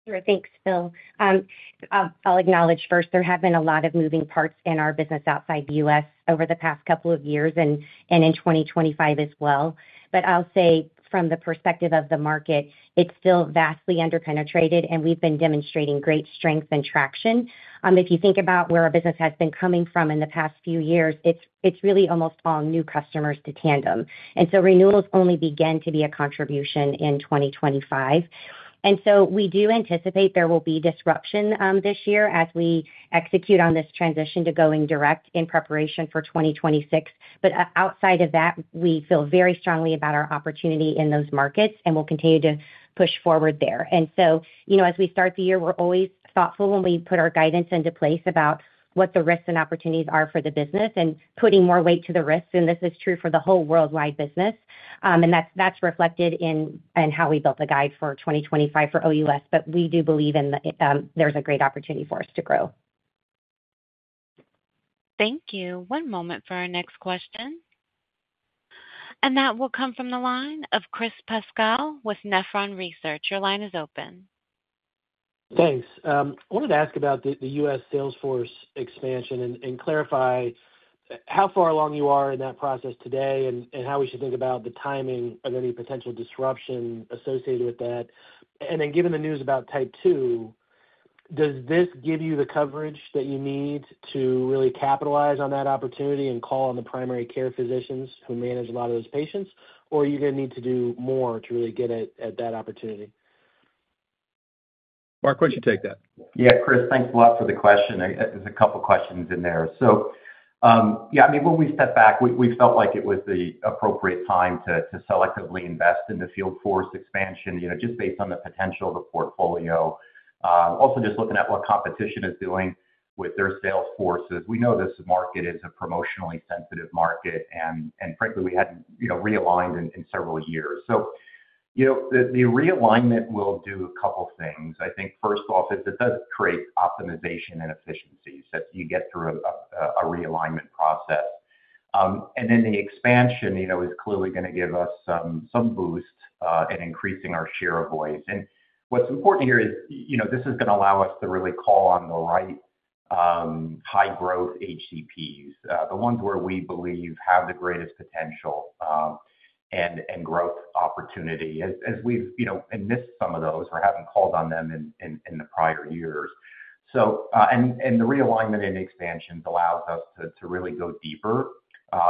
Sure. Thanks, Phil. I'll acknowledge first, there have been a lot of moving parts in our business outside the U.S. over the past couple of years and in 2025 as well. But I'll say from the perspective of the market, it's still vastly underpenetrated, and we've been demonstrating great strength and traction. If you think about where our business has been coming from in the past few years, it's really almost all new customers to Tandem. And so renewals only begin to be a contribution in 2025. And so we do anticipate there will be disruption this year as we execute on this transition to going direct in preparation for 2026. But outside of that, we feel very strongly about our opportunity in those markets and will continue to push forward there. As we start the year, we're always thoughtful when we put our guidance into place about what the risks and opportunities are for the business and putting more weight to the risks. This is true for the whole worldwide business. That's reflected in how we built the guidance for 2025 for OUS, but we do believe there's a great opportunity for us to grow. Thank you. One moment for our next question. And that will come from the line of Chris Pasquale with Nephron Research. Your line is open. Thanks. I wanted to ask about the U.S. sales force expansion and clarify how far along you are in that process today and how we should think about the timing of any potential disruption associated with that. And then given the news about type 2, does this give you the coverage that you need to really capitalize on that opportunity and call on the primary care physicians who manage a lot of those patients, or are you going to need to do more to really get at that opportunity? Mark, why don't you take that? Yeah, Chris, thanks a lot for the question. There's a couple of questions in there. So yeah, I mean, when we step back, we felt like it was the appropriate time to selectively invest in the field force expansion just based on the potential of the portfolio. Also just looking at what competition is doing with their sales forces. We know this market is a promotionally sensitive market, and frankly, we hadn't realigned in several years. So the realignment will do a couple of things. I think first off, it does create optimization and efficiencies as you get through a realignment process. And then the expansion is clearly going to give us some boost in increasing our share of voice. And what's important here is this is going to allow us to really call on the right high-growth HCPs, the ones where we believe have the greatest potential and growth opportunity. As we've missed some of those, we haven't called on them in the prior years, and the realignment and expansion allows us to really go deeper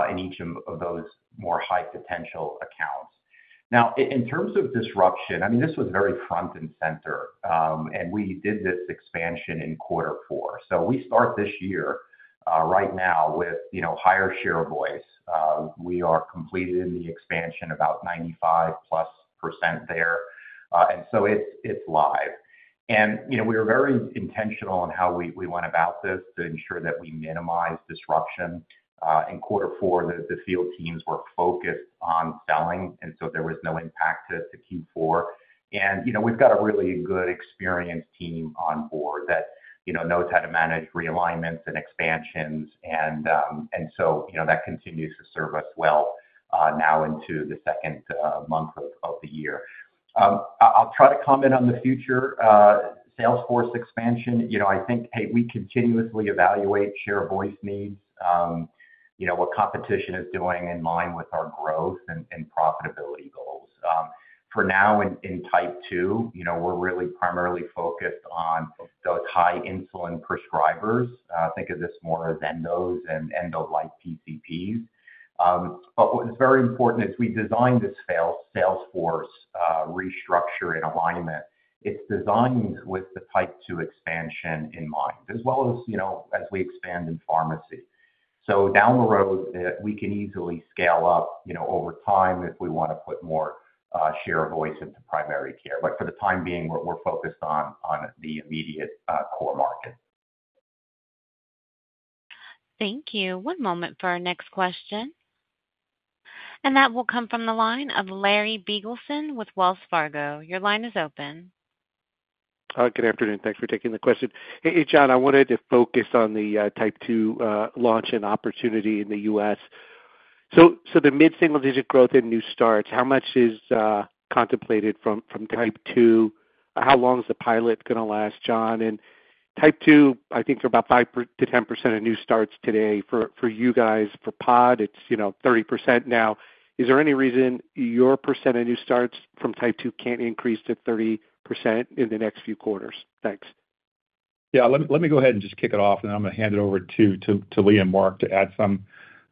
in each of those more high-potential accounts. Now, in terms of disruption, I mean, this was very front and center, and we did this expansion in quarter four, so we start this year right now with higher share of voice. We are completed in the expansion about 95-plus% there, and so it's live, and we were very intentional in how we went about this to ensure that we minimize disruption. In quarter four, the field teams were focused on selling, and so there was no impact to Q4, and we've got a really good experienced team on board that knows how to manage realignments and expansions, and so that continues to serve us well now into the second month of the year. I'll try to comment on the future sales force expansion. I think, hey, we continuously evaluate share of voice needs, what competition is doing in line with our growth and profitability goals. For now, in type 2, we're really primarily focused on those high insulin prescribers. Think of this more as endos and endo-like PCPs. But what's very important as we design this sales force restructure and alignment, it's designed with the type 2 expansion in mind, as well as we expand in pharmacy. So down the road, we can easily scale up over time if we want to put more share of voice into primary care. But for the time being, we're focused on the immediate core market. Thank you. One moment for our next question. And that will come from the line of Larry Biegelsen with Wells Fargo. Your line is open. Good afternoon. Thanks for taking the question. Hey, John, I wanted to focus on the Type 2 launch and opportunity in the U.S. So the mid-single-digit growth and new starts, how much is contemplated from Type 2? How long is the pilot going to last, John? And Type 2, I think for about 5%-10% of new starts today. For you guys, for Pod, it's 30% now. Is there any reason your % of new starts from Type 2 can't increase to 30% in the next few quarters? Thanks. Yeah, let me go ahead and just kick it off, and then I'm going to hand it over to Leigh and Mark to add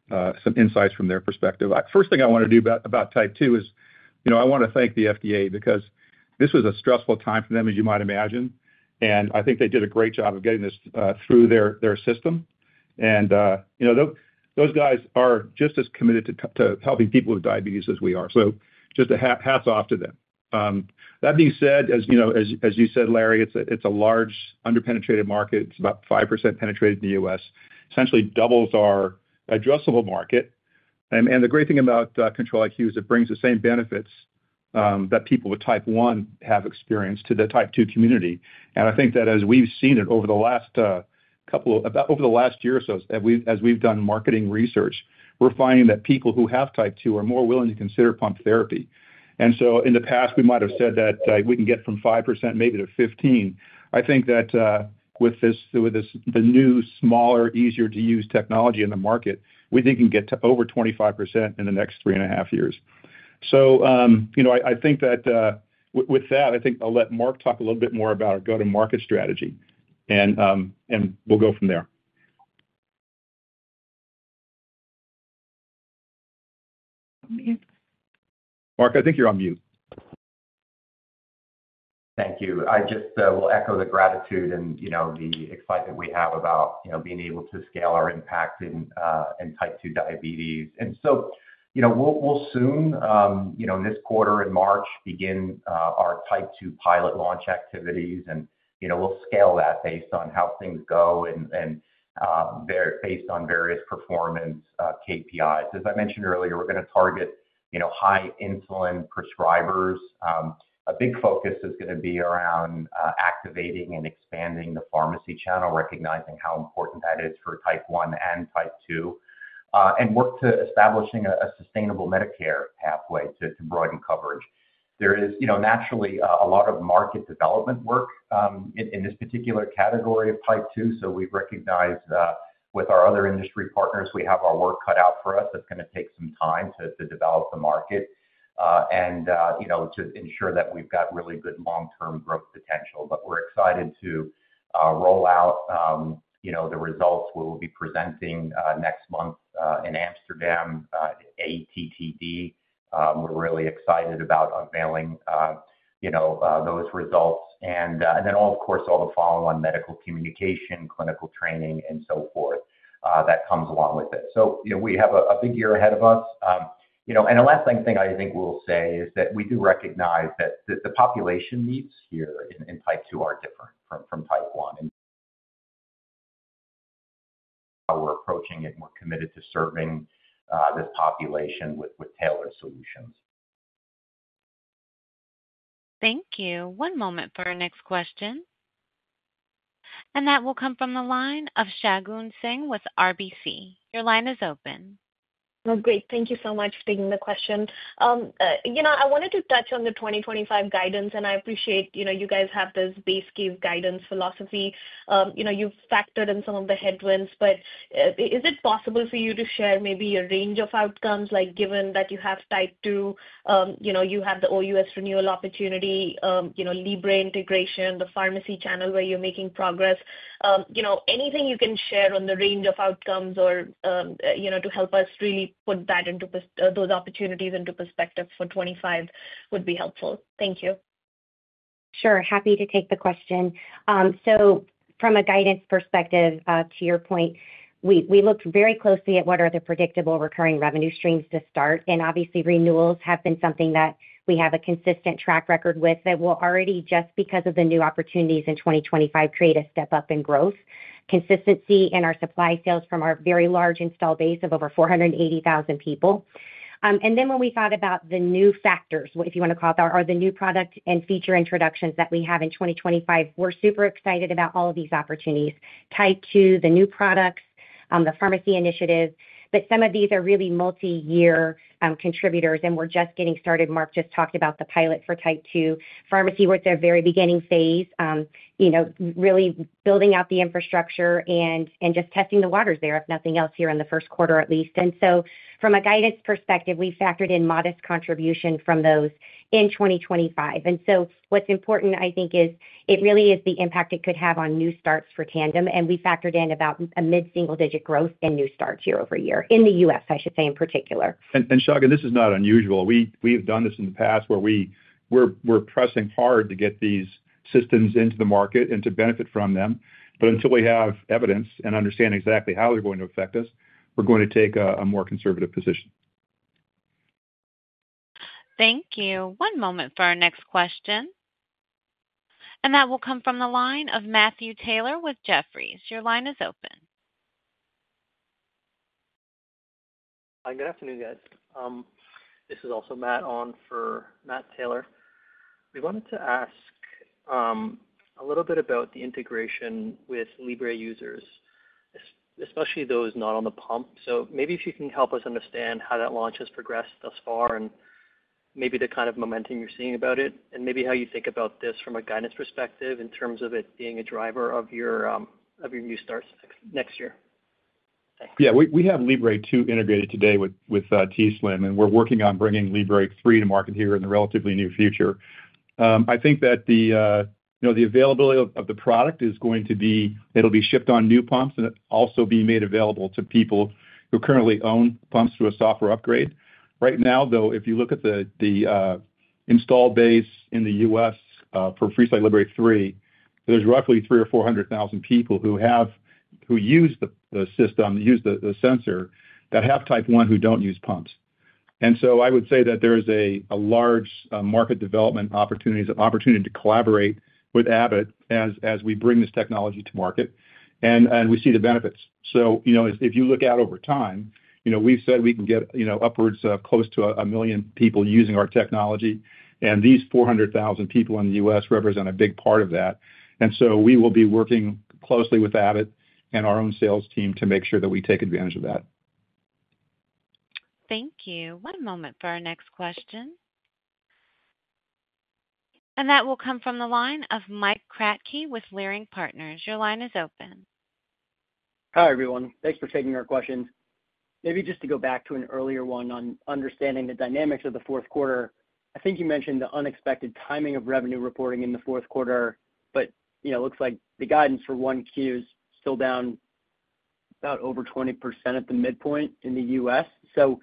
some insights from their perspective. First thing I want to do about type 2 is I want to thank the FDA because this was a stressful time for them, as you might imagine, and I think they did a great job of getting this through their system, and those guys are just as committed to helping people with diabetes as we are, so just a hats off to them. That being said, as you said, Larry, it's a large underpenetrated market. It's about 5% penetrated in the U.S. Essentially doubles our addressable market, and the great thing about Control-IQ is it brings the same benefits that people with type 1 have experienced to the type 2 community. I think that as we've seen it over the last year or so, as we've done marketing research, we're finding that people who have type 2 are more willing to consider pump therapy. So in the past, we might have said that we can get from 5% maybe to 15%. I think that with the new, smaller, easier-to-use technology in the market, we think we can get to over 25% in the next three and a half years. I think that with that, I'll let Mark talk a little bit more about our go-to-market strategy, and we'll go from there. Mark, I think you're on mute. Thank you. I just will echo the gratitude and the excitement we have about being able to scale our impact in Type 2 diabetes. And so we'll soon, this quarter in March, begin our Type 2 pilot launch activities, and we'll scale that based on how things go and based on various performance KPIs. As I mentioned earlier, we're going to target high insulin prescribers. A big focus is going to be around activating and expanding the pharmacy channel, recognizing how important that is for Type 1 and Type 2, and work to establishing a sustainable Medicare pathway to broaden coverage. There is naturally a lot of market development work in this particular category of Type 2. So we've recognized with our other industry partners, we have our work cut out for us. It's going to take some time to develop the market and to ensure that we've got really good long-term growth potential. But we're excited to roll out the results where we'll be presenting next month in Amsterdam, ATTD. We're really excited about unveiling those results. And then, of course, all the follow-on medical communication, clinical training, and so forth that comes along with it. So we have a big year ahead of us. And the last thing I think we'll say is that we do recognize that the population needs here in Type 2 are different from Type 1. And we're approaching it, and we're committed to serving this population with tailored solutions. Thank you. One moment for our next question. And that will come from the line of Shagun Singh with RBC. Your line is open. Great. Thank you so much for taking the question. I wanted to touch on the 2025 guidance, and I appreciate you guys have this base case guidance philosophy. You've factored in some of the headwinds, but is it possible for you to share maybe your range of outcomes? Given that you have type 2, you have the OUS renewal opportunity, Libre integration, the pharmacy channel where you're making progress, anything you can share on the range of outcomes or to help us really put those opportunities into perspective for 2025 would be helpful. Thank you. Sure. Happy to take the question. So from a guidance perspective, to your point, we looked very closely at what are the predictable recurring revenue streams to start. And obviously, renewals have been something that we have a consistent track record with that will already, just because of the new opportunities in 2025, create a step up in growth, consistency in our supply sales from our very large install base of over 480,000 people. And then when we thought about the new factors, if you want to call it that, or the new product and feature introductions that we have in 2025, we're super excited about all of these opportunities: type 2, the new products, the pharmacy initiative. But some of these are really multi-year contributors, and we're just getting started. Mark just talked about the pilot for type 2 pharmacy with their very beginning phase, really building out the infrastructure and just testing the waters there, if nothing else, here in the first quarter at least. And so from a guidance perspective, we factored in modest contribution from those in 2025. And so what's important, I think, is it really is the impact it could have on new starts for Tandem. And we factored in about a mid-single-digit growth in new starts year over year, in the U.S., I should say, in particular. Shagun, this is not unusual. We've done this in the past where we're pressing hard to get these systems into the market and to benefit from them. But until we have evidence and understand exactly how they're going to affect us, we're going to take a more conservative position. Thank you. One moment for our next question. And that will come from the line of Matthew Taylor with Jefferies. Your line is open. Hi, good afternoon, guys. This is also Matt on for Matthew Taylor. We wanted to ask a little bit about the integration with Libre users, especially those not on the pump. So maybe if you can help us understand how that launch has progressed thus far and maybe the kind of momentum you're seeing about it, and maybe how you think about this from a guidance perspective in terms of it being a driver of your new starts next year. Thanks. Yeah, we have Libre 2 integrated today with t:slim, and we're working on bringing Libre 3 to market here in the relatively near future. I think that the availability of the product is going to be it'll be shipped on new pumps and also be made available to people who currently own pumps through a software upgrade. Right now, though, if you look at the installed base in the U.S. for FreeStyle Libre 3, there's roughly 300,000 or 400,000 people who use the system, use the sensor that have type 1 who don't use pumps. So I would say that there is a large market development opportunity to collaborate with Abbott as we bring this technology to market, and we see the benefits. If you look out over time, we've said we can get upwards of close to a million people using our technology, and these 400,000 people in the U.S. represent a big part of that. We will be working closely with Abbott and our own sales team to make sure that we take advantage of that. Thank you. One moment for our next question, and that will come from the line of Mike Kratky with Leerink Partners. Your line is open. Hi, everyone. Thanks for taking our questions. Maybe just to go back to an earlier one on understanding the dynamics of the fourth quarter, I think you mentioned the unexpected timing of revenue reporting in the fourth quarter, but it looks like the guidance for 1Q is still down about over 20% at the midpoint in the U.S. So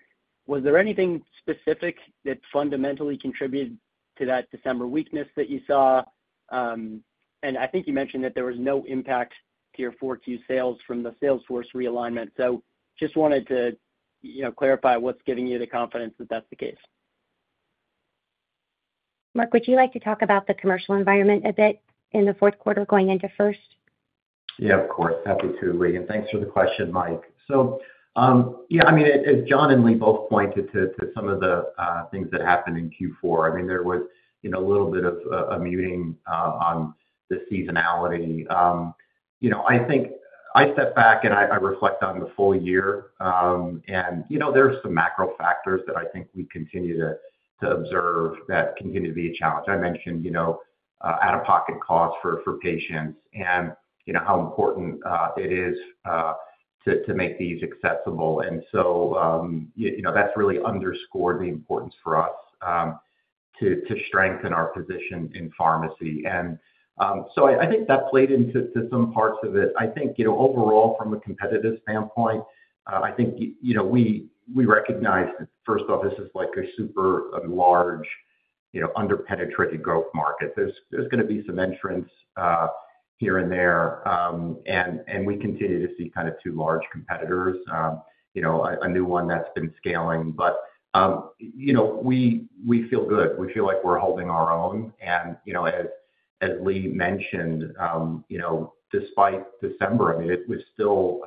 was there anything specific that fundamentally contributed to that December weakness that you saw? And I think you mentioned that there was no impact to your 4Q sales from the sales force realignment. So just wanted to clarify what's giving you the confidence that that's the case. Mark, would you like to talk about the commercial environment a bit in the fourth quarter going into first? Yeah, of course. Happy to, Leigh. And thanks for the question, Mike. So yeah, I mean, as John and Leigh both pointed to some of the things that happened in Q4, I mean, there was a little bit of a muting on the seasonality. I think if I step back and I reflect on the full year, and there are some macro factors that I think we continue to observe that continue to be a challenge. I mentioned out-of-pocket costs for patients and how important it is to make these accessible. And so that's really underscored the importance for us to strengthen our position in pharmacy. And so I think that played into some parts of it. I think overall, from a competitive standpoint, I think we recognize that, first off, this is like a super large underpenetrated growth market. There's going to be some entrants here and there, and we continue to see kind of two large competitors, a new one that's been scaling. But we feel good. We feel like we're holding our own. And as Leigh mentioned, despite December, I mean, it was still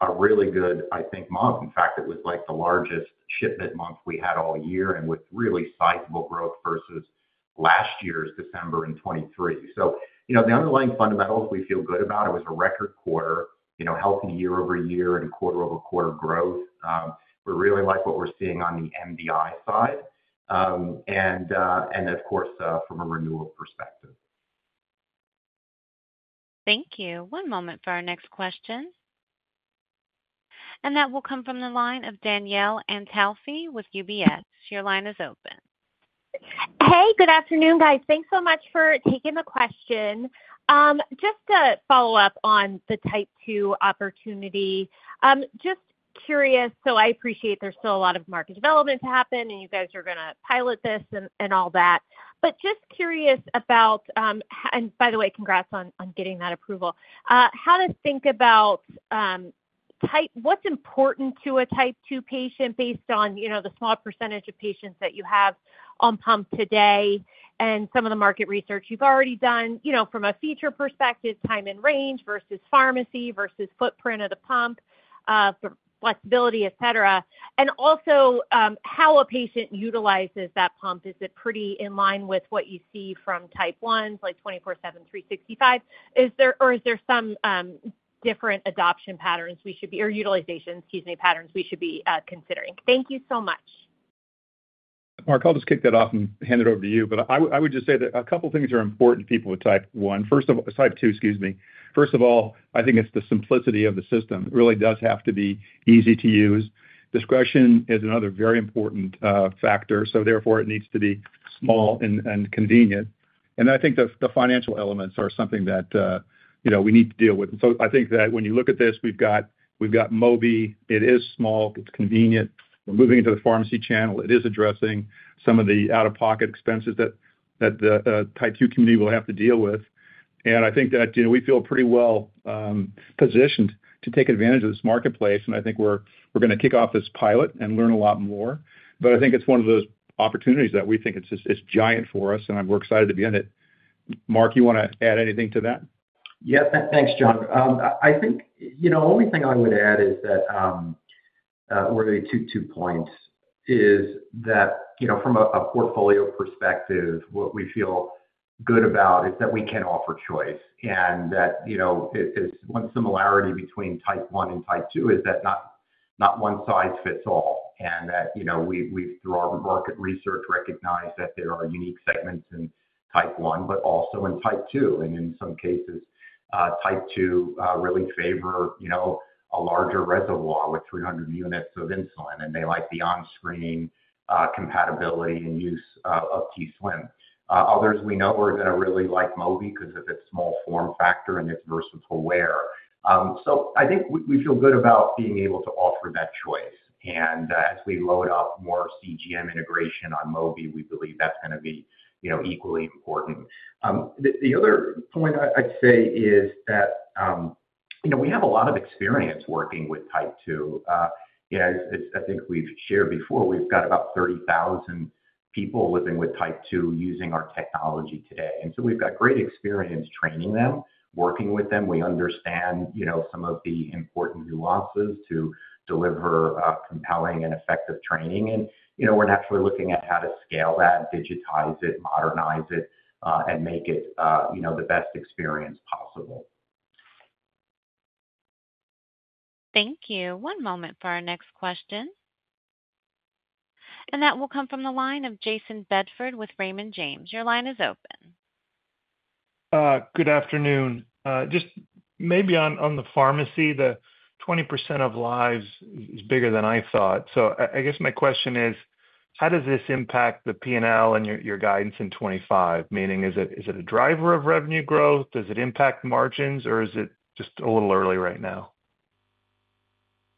a really good, I think, month. In fact, it was like the largest shipment month we had all year and with really sizable growth versus last year's December in 2023. So the underlying fundamentals, we feel good about. It was a record quarter, healthy year over year and quarter over quarter growth. We really like what we're seeing on the MDI side and, of course, from a renewal perspective. Thank you. One moment for our next question. And that will come from the line of Danielle Antalffy with UBS. Your line is open. Hey, good afternoon, guys. Thanks so much for taking the question. Just to follow up on the Type 2 opportunity, just curious, so I appreciate there's still a lot of market development to happen and you guys are going to pilot this and all that, but just curious about, and by the way, congrats on getting that approval, how to think about what's important to a Type 2 patient based on the small percentage of patients that you have on pump today and some of the market research you've already done from a feature perspective, time and range versus pharmacy versus footprint of the pump, flexibility, etc., and also how a patient utilizes that pump. Is it pretty in line with what you see from Type 1, like 24/7, 365, or is there some different adoption patterns we should be or utilization, excuse me, patterns we should be considering? Thank you so much. Mark, I'll just kick that off and hand it over to you, but I would just say that a couple of things are important to people with type 1. First of all, type 2, excuse me. First of all, I think it's the simplicity of the system. It really does have to be easy to use. Discretion is another very important factor, so therefore it needs to be small and convenient. And I think the financial elements are something that we need to deal with. And so I think that when you look at this, we've got Mobi. It is small. It's convenient. We're moving into the pharmacy channel. It is addressing some of the out-of-pocket expenses that the type 2 community will have to deal with. I think that we feel pretty well positioned to take advantage of this marketplace, and I think we're going to kick off this pilot and learn a lot more. But I think it's one of those opportunities that we think is giant for us, and we're excited to be in it. Mark, you want to add anything to that? Yeah, thanks, John. I think the only thing I would add is that really two points is that from a portfolio perspective, what we feel good about is that we can offer choice. And one similarity between Type 1 and Type 2 is that not one size fits all. And that we've, through our market research, recognized that there are unique segments in Type 1, but also in Type 2. And in some cases, Type 2 really favor a larger reservoir with 300 units of insulin, and they like the on-screen compatibility and use of t:slim. Others we know are going to really like Mobi because of its small form factor and its versatile wear. So I think we feel good about being able to offer that choice. And as we load up more CGM integration on Mobi, we believe that's going to be equally important. The other point I'd say is that we have a lot of experience working with type 2. As I think we've shared before, we've got about 30,000 people living with type 2 using our technology today. And so we've got great experience training them, working with them. We understand some of the important nuances to deliver compelling and effective training. And we're naturally looking at how to scale that, digitize it, modernize it, and make it the best experience possible. Thank you. One moment for our next question. And that will come from the line of Jayson Bedford with Raymond James. Your line is open. Good afternoon. Just maybe on the pharmacy, the 20% of lives is bigger than I thought. So I guess my question is, how does this impact the P&L and your guidance in 2025? Meaning, is it a driver of revenue growth? Does it impact margins, or is it just a little early right now?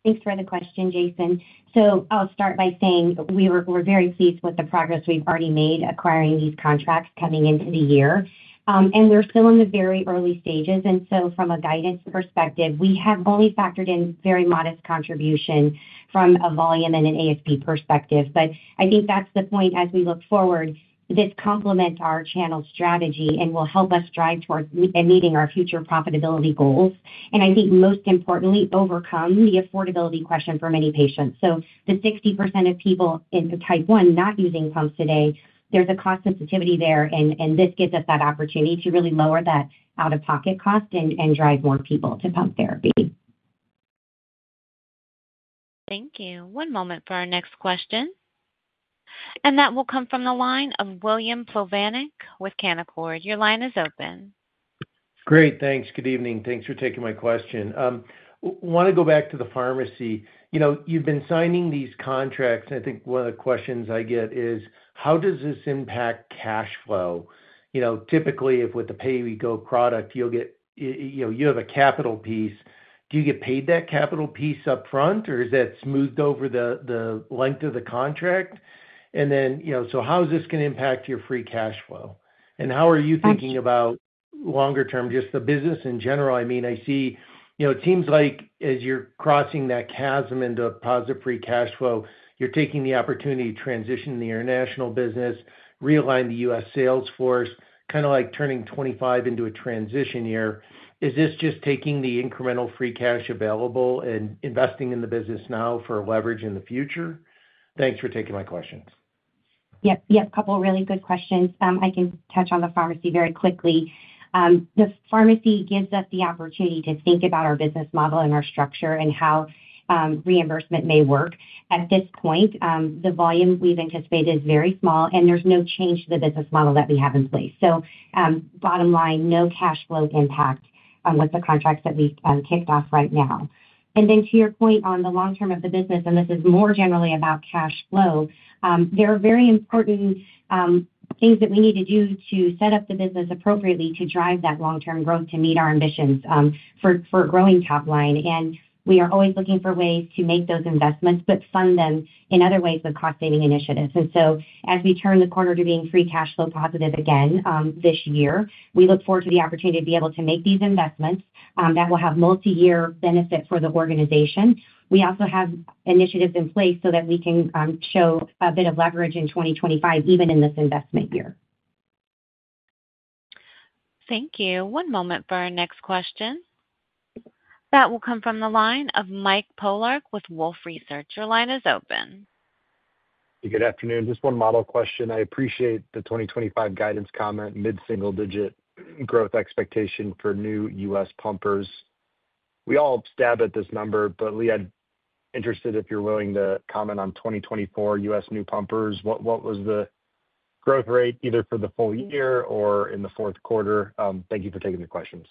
Thanks for the question, Jason, so I'll start by saying we're very pleased with the progress we've already made acquiring these contracts coming into the year, and we're still in the very early stages, and so from a guidance perspective, we have only factored in very modest contribution from a volume and an ASP perspective, but I think that's the point as we look forward. This complements our channel strategy and will help us drive towards meeting our future profitability goals, and I think most importantly, overcome the affordability question for many patients, so the 60% of people in Type 1 not using pumps today, there's a cost sensitivity there, and this gives us that opportunity to really lower that out-of-pocket cost and drive more people to pump therapy. Thank you. One moment for our next question. And that will come from the line of William Plovanic with Canaccord. Your line is open. Great. Thanks. Good evening. Thanks for taking my question. I want to go back to the pharmacy. You've been signing these contracts, and I think one of the questions I get is, how does this impact cash flow? Typically, with the pay-as-you-go product, you have a capital piece. Do you get paid that capital piece upfront, or is that smoothed over the length of the contract? And then so how is this going to impact your free cash flow? And how are you thinking about longer term, just the business in general? I mean, I see it seems like as you're crossing that chasm into a positive free cash flow, you're taking the opportunity to transition the international business, realign the U.S. sales force, kind of like turning 2025 into a transition year. Is this just taking the incremental free cash available and investing in the business now for leverage in the future? Thanks for taking my questions. Yep. Yep. Couple of really good questions. I can touch on the pharmacy very quickly. The pharmacy gives us the opportunity to think about our business model and our structure and how reimbursement may work. At this point, the volume we've anticipated is very small, and there's no change to the business model that we have in place. So bottom line, no cash flow impact with the contracts that we kicked off right now. And then to your point on the long term of the business, and this is more generally about cash flow, there are very important things that we need to do to set up the business appropriately to drive that long-term growth to meet our ambitions for a growing top line. And we are always looking for ways to make those investments, but fund them in other ways with cost-saving initiatives. And so as we turn the corner to being free cash flow positive again this year, we look forward to the opportunity to be able to make these investments that will have multi-year benefit for the organization. We also have initiatives in place so that we can show a bit of leverage in 2025, even in this investment year. Thank you. One moment for our next question. That will come from the line of Mike Polark with Wolfe Research. Your line is open. Good afternoon. Just one model question. I appreciate the 2025 guidance comment, mid-single-digit growth expectation for new U.S. pumpers. We all stab at this number, but Lee, I'd be interested if you're willing to comment on 2024 U.S. new pumpers. What was the growth rate either for the full year or in the fourth quarter? Thank you for taking the questions.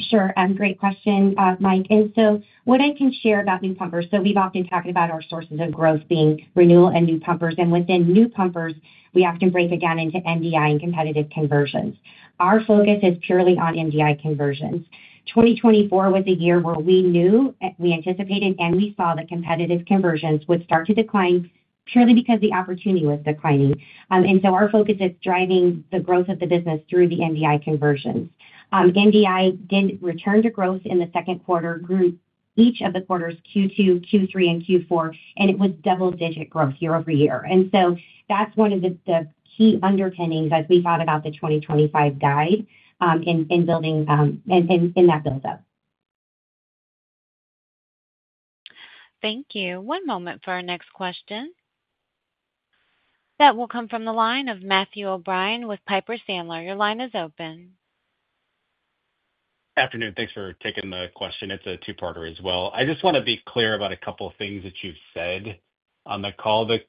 Sure. Great question, Mike. And so what I can share about new pumpers, so we've often talked about our sources of growth being renewal and new pumpers. And within new pumpers, we often break again into MDI and competitive conversions. Our focus is purely on MDI conversions. 2024 was a year where we knew, we anticipated, and we saw that competitive conversions would start to decline purely because the opportunity was declining. And so our focus is driving the growth of the business through the MDI conversions. MDI did return to growth in the second quarter, grew each of the quarters, Q2, Q3, and Q4, and it was double-digit growth year over year. And so that's one of the key underpinnings as we thought about the 2025 guide and building in that build-up. Thank you. One moment for our next question. That will come from the line of Matthew O'Brien with Piper Sandler. Your line is open. Good afternoon. Thanks for taking the question. It's a two-parter as well. I just want to be clear about a couple of things that you've said on the call. The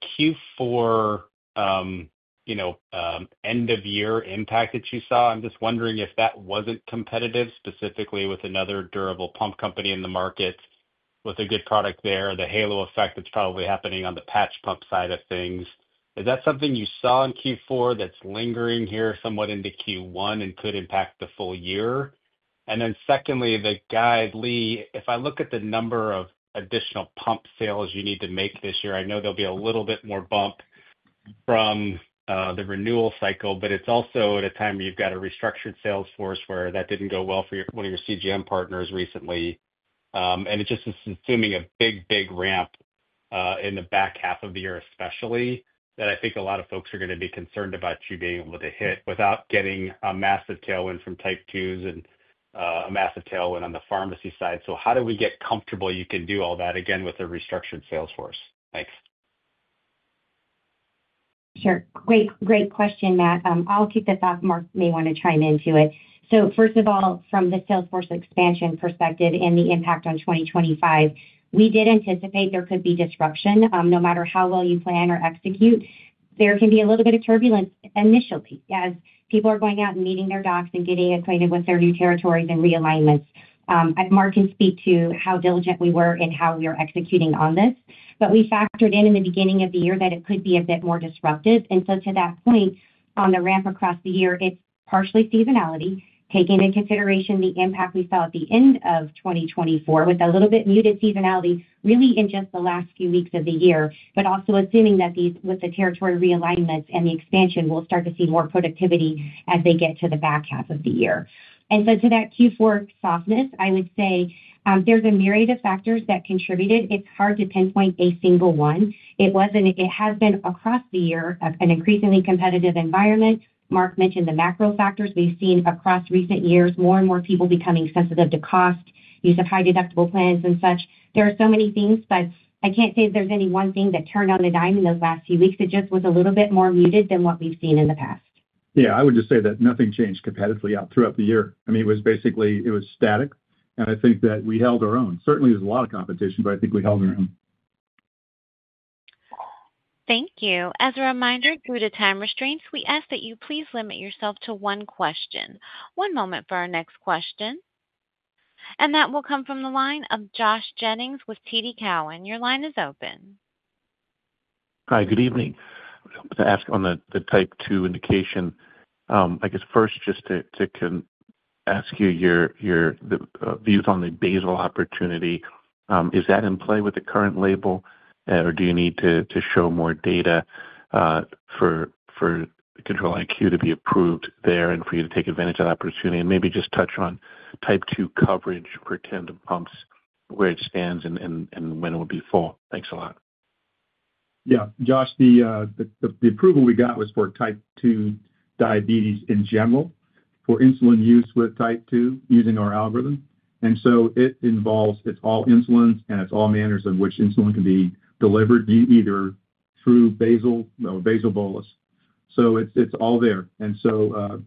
Q4 end-of-year impact that you saw, I'm just wondering if that wasn't competitive specifically with another durable pump company in the market with a good product there, the halo effect that's probably happening on the patch pump side of things. Is that something you saw in Q4 that's lingering here somewhat into Q1 and could impact the full year? And then secondly, the guide, Lee, if I look at the number of additional pump sales you need to make this year, I know there'll be a little bit more bump from the renewal cycle, but it's also at a time where you've got a restructured sales force where that didn't go well for one of your CGM partners recently. It's just assuming a big, big ramp in the back half of the year, especially, that I think a lot of folks are going to be concerned about you being able to hit without getting a massive tailwind from type 2s and a massive tailwind on the pharmacy side. How do we get comfortable you can do all that again with a restructured sales force? Thanks. Sure. Great question, Matt. I'll keep this up. Mark may want to chime into it. So first of all, from the sales force expansion perspective and the impact on 2025, we did anticipate there could be disruption. No matter how well you plan or execute, there can be a little bit of turbulence initially as people are going out and meeting their docs and getting acquainted with their new territories and realignments. Mark can speak to how diligent we were and how we are executing on this. But we factored in in the beginning of the year that it could be a bit more disruptive. And so to that point, on the ramp across the year, it's partially seasonality, taking into consideration the impact we saw at the end of 2024 with a little bit muted seasonality, really in just the last few weeks of the year, but also assuming that with the territory realignments and the expansion, we'll start to see more productivity as they get to the back half of the year. And so to that Q4 softness, I would say there's a myriad of factors that contributed. It's hard to pinpoint a single one. It has been across the year an increasingly competitive environment. Mark mentioned the macro factors we've seen across recent years, more and more people becoming sensitive to cost, use of high deductible plans and such. There are so many things, but I can't say there's any one thing that turned on the dime in those last few weeks. It just was a little bit more muted than what we've seen in the past. Yeah. I would just say that nothing changed competitively throughout the year. I mean, it was basically static, and I think that we held our own. Certainly, there's a lot of competition, but I think we held our own. Thank you. As a reminder, due to time restraints, we ask that you please limit yourself to one question. One moment for our next question, and that will come from the line of Josh Jennings with TD Cowen. Your line is open. Hi, good evening. I'm going to ask on the Type 2 indication. I guess first, just to ask you the views on the basal opportunity. Is that in play with the current label, or do you need to show more data for Control-IQ to be approved there and for you to take advantage of that opportunity? And maybe just touch on Type 2 coverage for Tandem pumps, where it stands and when it will be full. Thanks a lot. Yeah. Josh, the approval we got was for type 2 diabetes in general for insulin use with type 2 using our algorithm. And so it involves. It's all insulins, and it's all manners of which insulin can be delivered either through basal or basal bolus. So it's all there. And so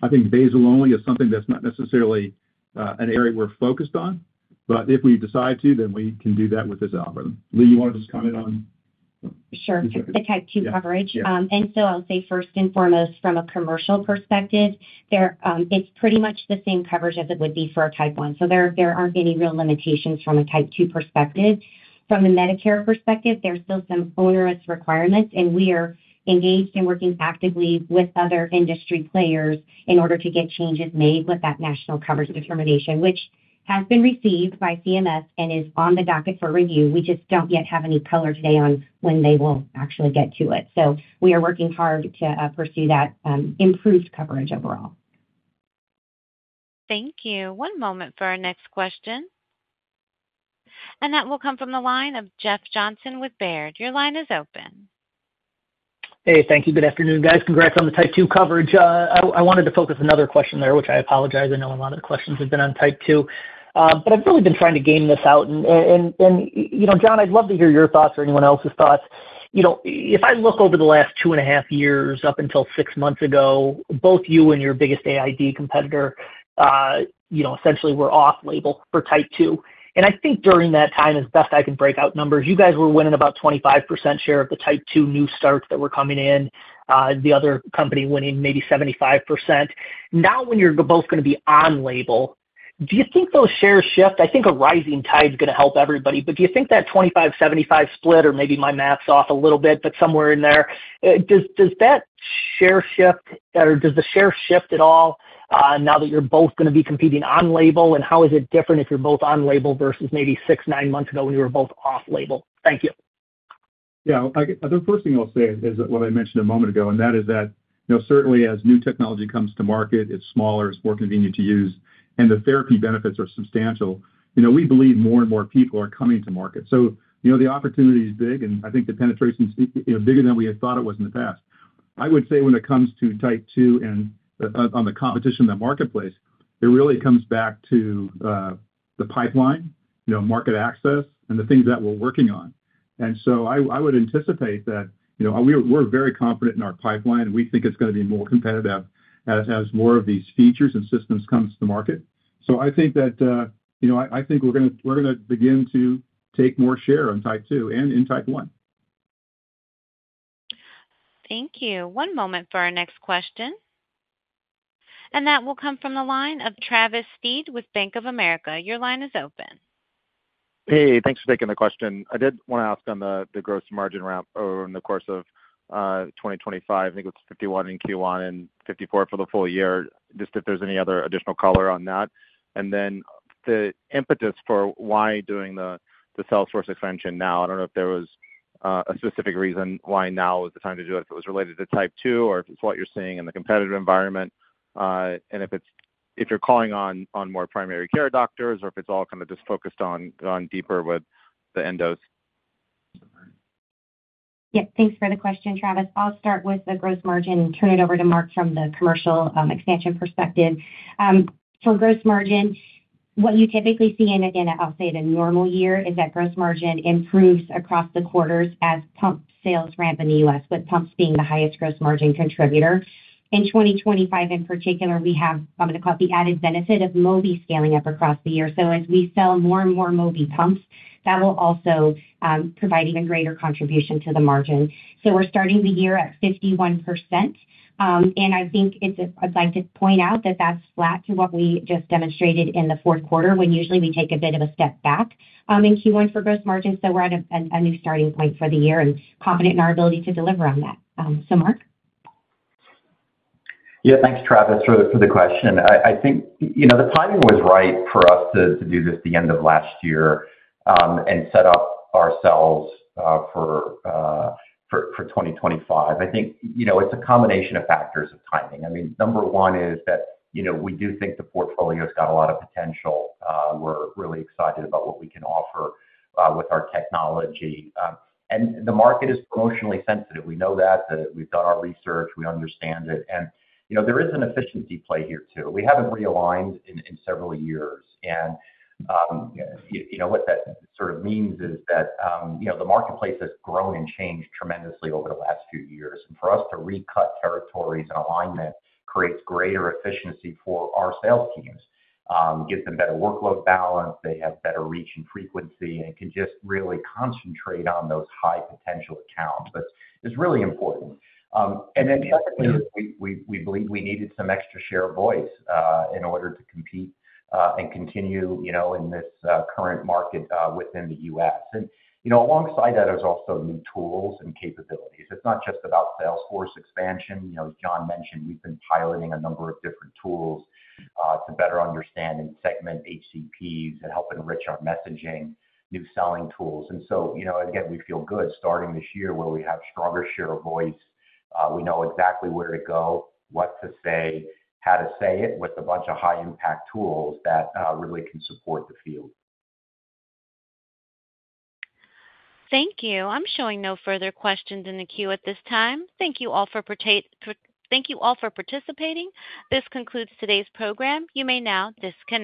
I think basal only is something that's not necessarily an area we're focused on, but if we decide to, then we can do that with this algorithm. Lee, you want to just comment on? Sure. The Type 2 coverage. And so I'll say first and foremost, from a commercial perspective, it's pretty much the same coverage as it would be for a Type 1. So there aren't any real limitations from a Type 2 perspective. From the Medicare perspective, there's still some onerous requirements, and we are engaged and working actively with other industry players in order to get changes made with that national coverage determination, which has been received by CMS and is on the docket for review. We just don't yet have any color today on when they will actually get to it. So we are working hard to pursue that improved coverage overall. Thank you. One moment for our next question, and that will come from the line of Jeff Johnson with Baird. Your line is open. Hey, thank you. Good afternoon, guys. Congrats on the type 2 coverage. I wanted to focus another question there, which I apologize. I know a lot of the questions have been on type 2, but I've really been trying to game this out. John, I'd love to hear your thoughts or anyone else's thoughts. If I look over the last two and a half years up until six months ago, both you and your biggest AID competitor essentially were off-label for type 2. I think during that time, as best I can break out numbers, you guys were winning about 25% share of the type 2 new starts that were coming in. The other company winning maybe 75%. Now when you're both going to be on-label, do you think those shares shift? I think a rising tide is going to help everybody, but do you think that 25%-75% split or maybe my math's off a little bit, but somewhere in there, does that share shift or does the share shift at all now that you're both going to be competing on-label? And how is it different if you're both on-label versus maybe six, nine months ago when you were both off-label? Thank you. Yeah. The first thing I'll say is what I mentioned a moment ago, and that is that certainly as new technology comes to market, it's smaller, it's more convenient to use, and the therapy benefits are substantial. We believe more and more people are coming to market. So the opportunity is big, and I think the penetration is bigger than we had thought it was in the past. I would say when it comes to Type 2 and on the competition in the marketplace, it really comes back to the pipeline, market access, and the things that we're working on. And so I would anticipate that we're very confident in our pipeline. We think it's going to be more competitive as more of these features and systems come to the market. So I think we're going to begin to take more share on type 2 and in type 1. Thank you. One moment for our next question. And that will come from the line of Travis Steed with Bank of America. Your line is open. Hey, thanks for taking the question. I did want to ask on the gross margin ramp over the course of 2025. I think it was 51% in Q1 and 54% for the full year, just if there's any other additional color on that. And then the impetus for why doing the sales force expansion now, I don't know if there was a specific reason why now is the time to do it, if it was related to type 2 or if it's what you're seeing in the competitive environment, and if you're calling on more primary care doctors or if it's all kind of just focused on deeper with the endos? Yep. Thanks for the question, Travis. I'll start with the gross margin and turn it over to Mark from the commercial expansion perspective. For gross margin, what you typically see in, again, I'll say in a normal year, is that gross margin improves across the quarters as pump sales ramp in the U.S., with pumps being the highest gross margin contributor. In 2025, in particular, we have what I'm going to call the added benefit of Mobi scaling up across the year. So as we sell more and more Mobi pumps, that will also provide even greater contribution to the margin. So we're starting the year at 51%. And I think I'd like to point out that that's flat to what we just demonstrated in the fourth quarter when usually we take a bit of a step back in Q1 for gross margin. So we're at a new starting point for the year and confident in our ability to deliver on that. So, Mark? Yeah. Thanks, Travis, for the question. I think the timing was right for us to do this the end of last year and set up ourselves for 2025. I think it's a combination of factors of timing. I mean, number one is that we do think the portfolio has got a lot of potential. We're really excited about what we can offer with our technology, and the market is promotionally sensitive. We know that. We've done our research. We understand it, and there is an efficiency play here too. We haven't realigned in several years, and what that sort of means is that the marketplace has grown and changed tremendously over the last few years, and for us to recut territories and alignment creates greater efficiency for our sales teams, gives them better workload balance, they have better reach and frequency, and can just really concentrate on those high-potential accounts. But it's really important. And then secondly, we believe we needed some extra share of voice in order to compete and continue in this current market within the U.S. And alongside that, there's also new tools and capabilities. It's not just about sales force expansion. As John mentioned, we've been piloting a number of different tools to better understand and segment HCPs and help enrich our messaging, new selling tools. And so, again, we feel good starting this year where we have stronger share of voice. We know exactly where to go, what to say, how to say it with a bunch of high-impact tools that really can support the field. Thank you. I'm showing no further questions in the queue at this time. Thank you all for participating. This concludes today's program. You may now disconnect.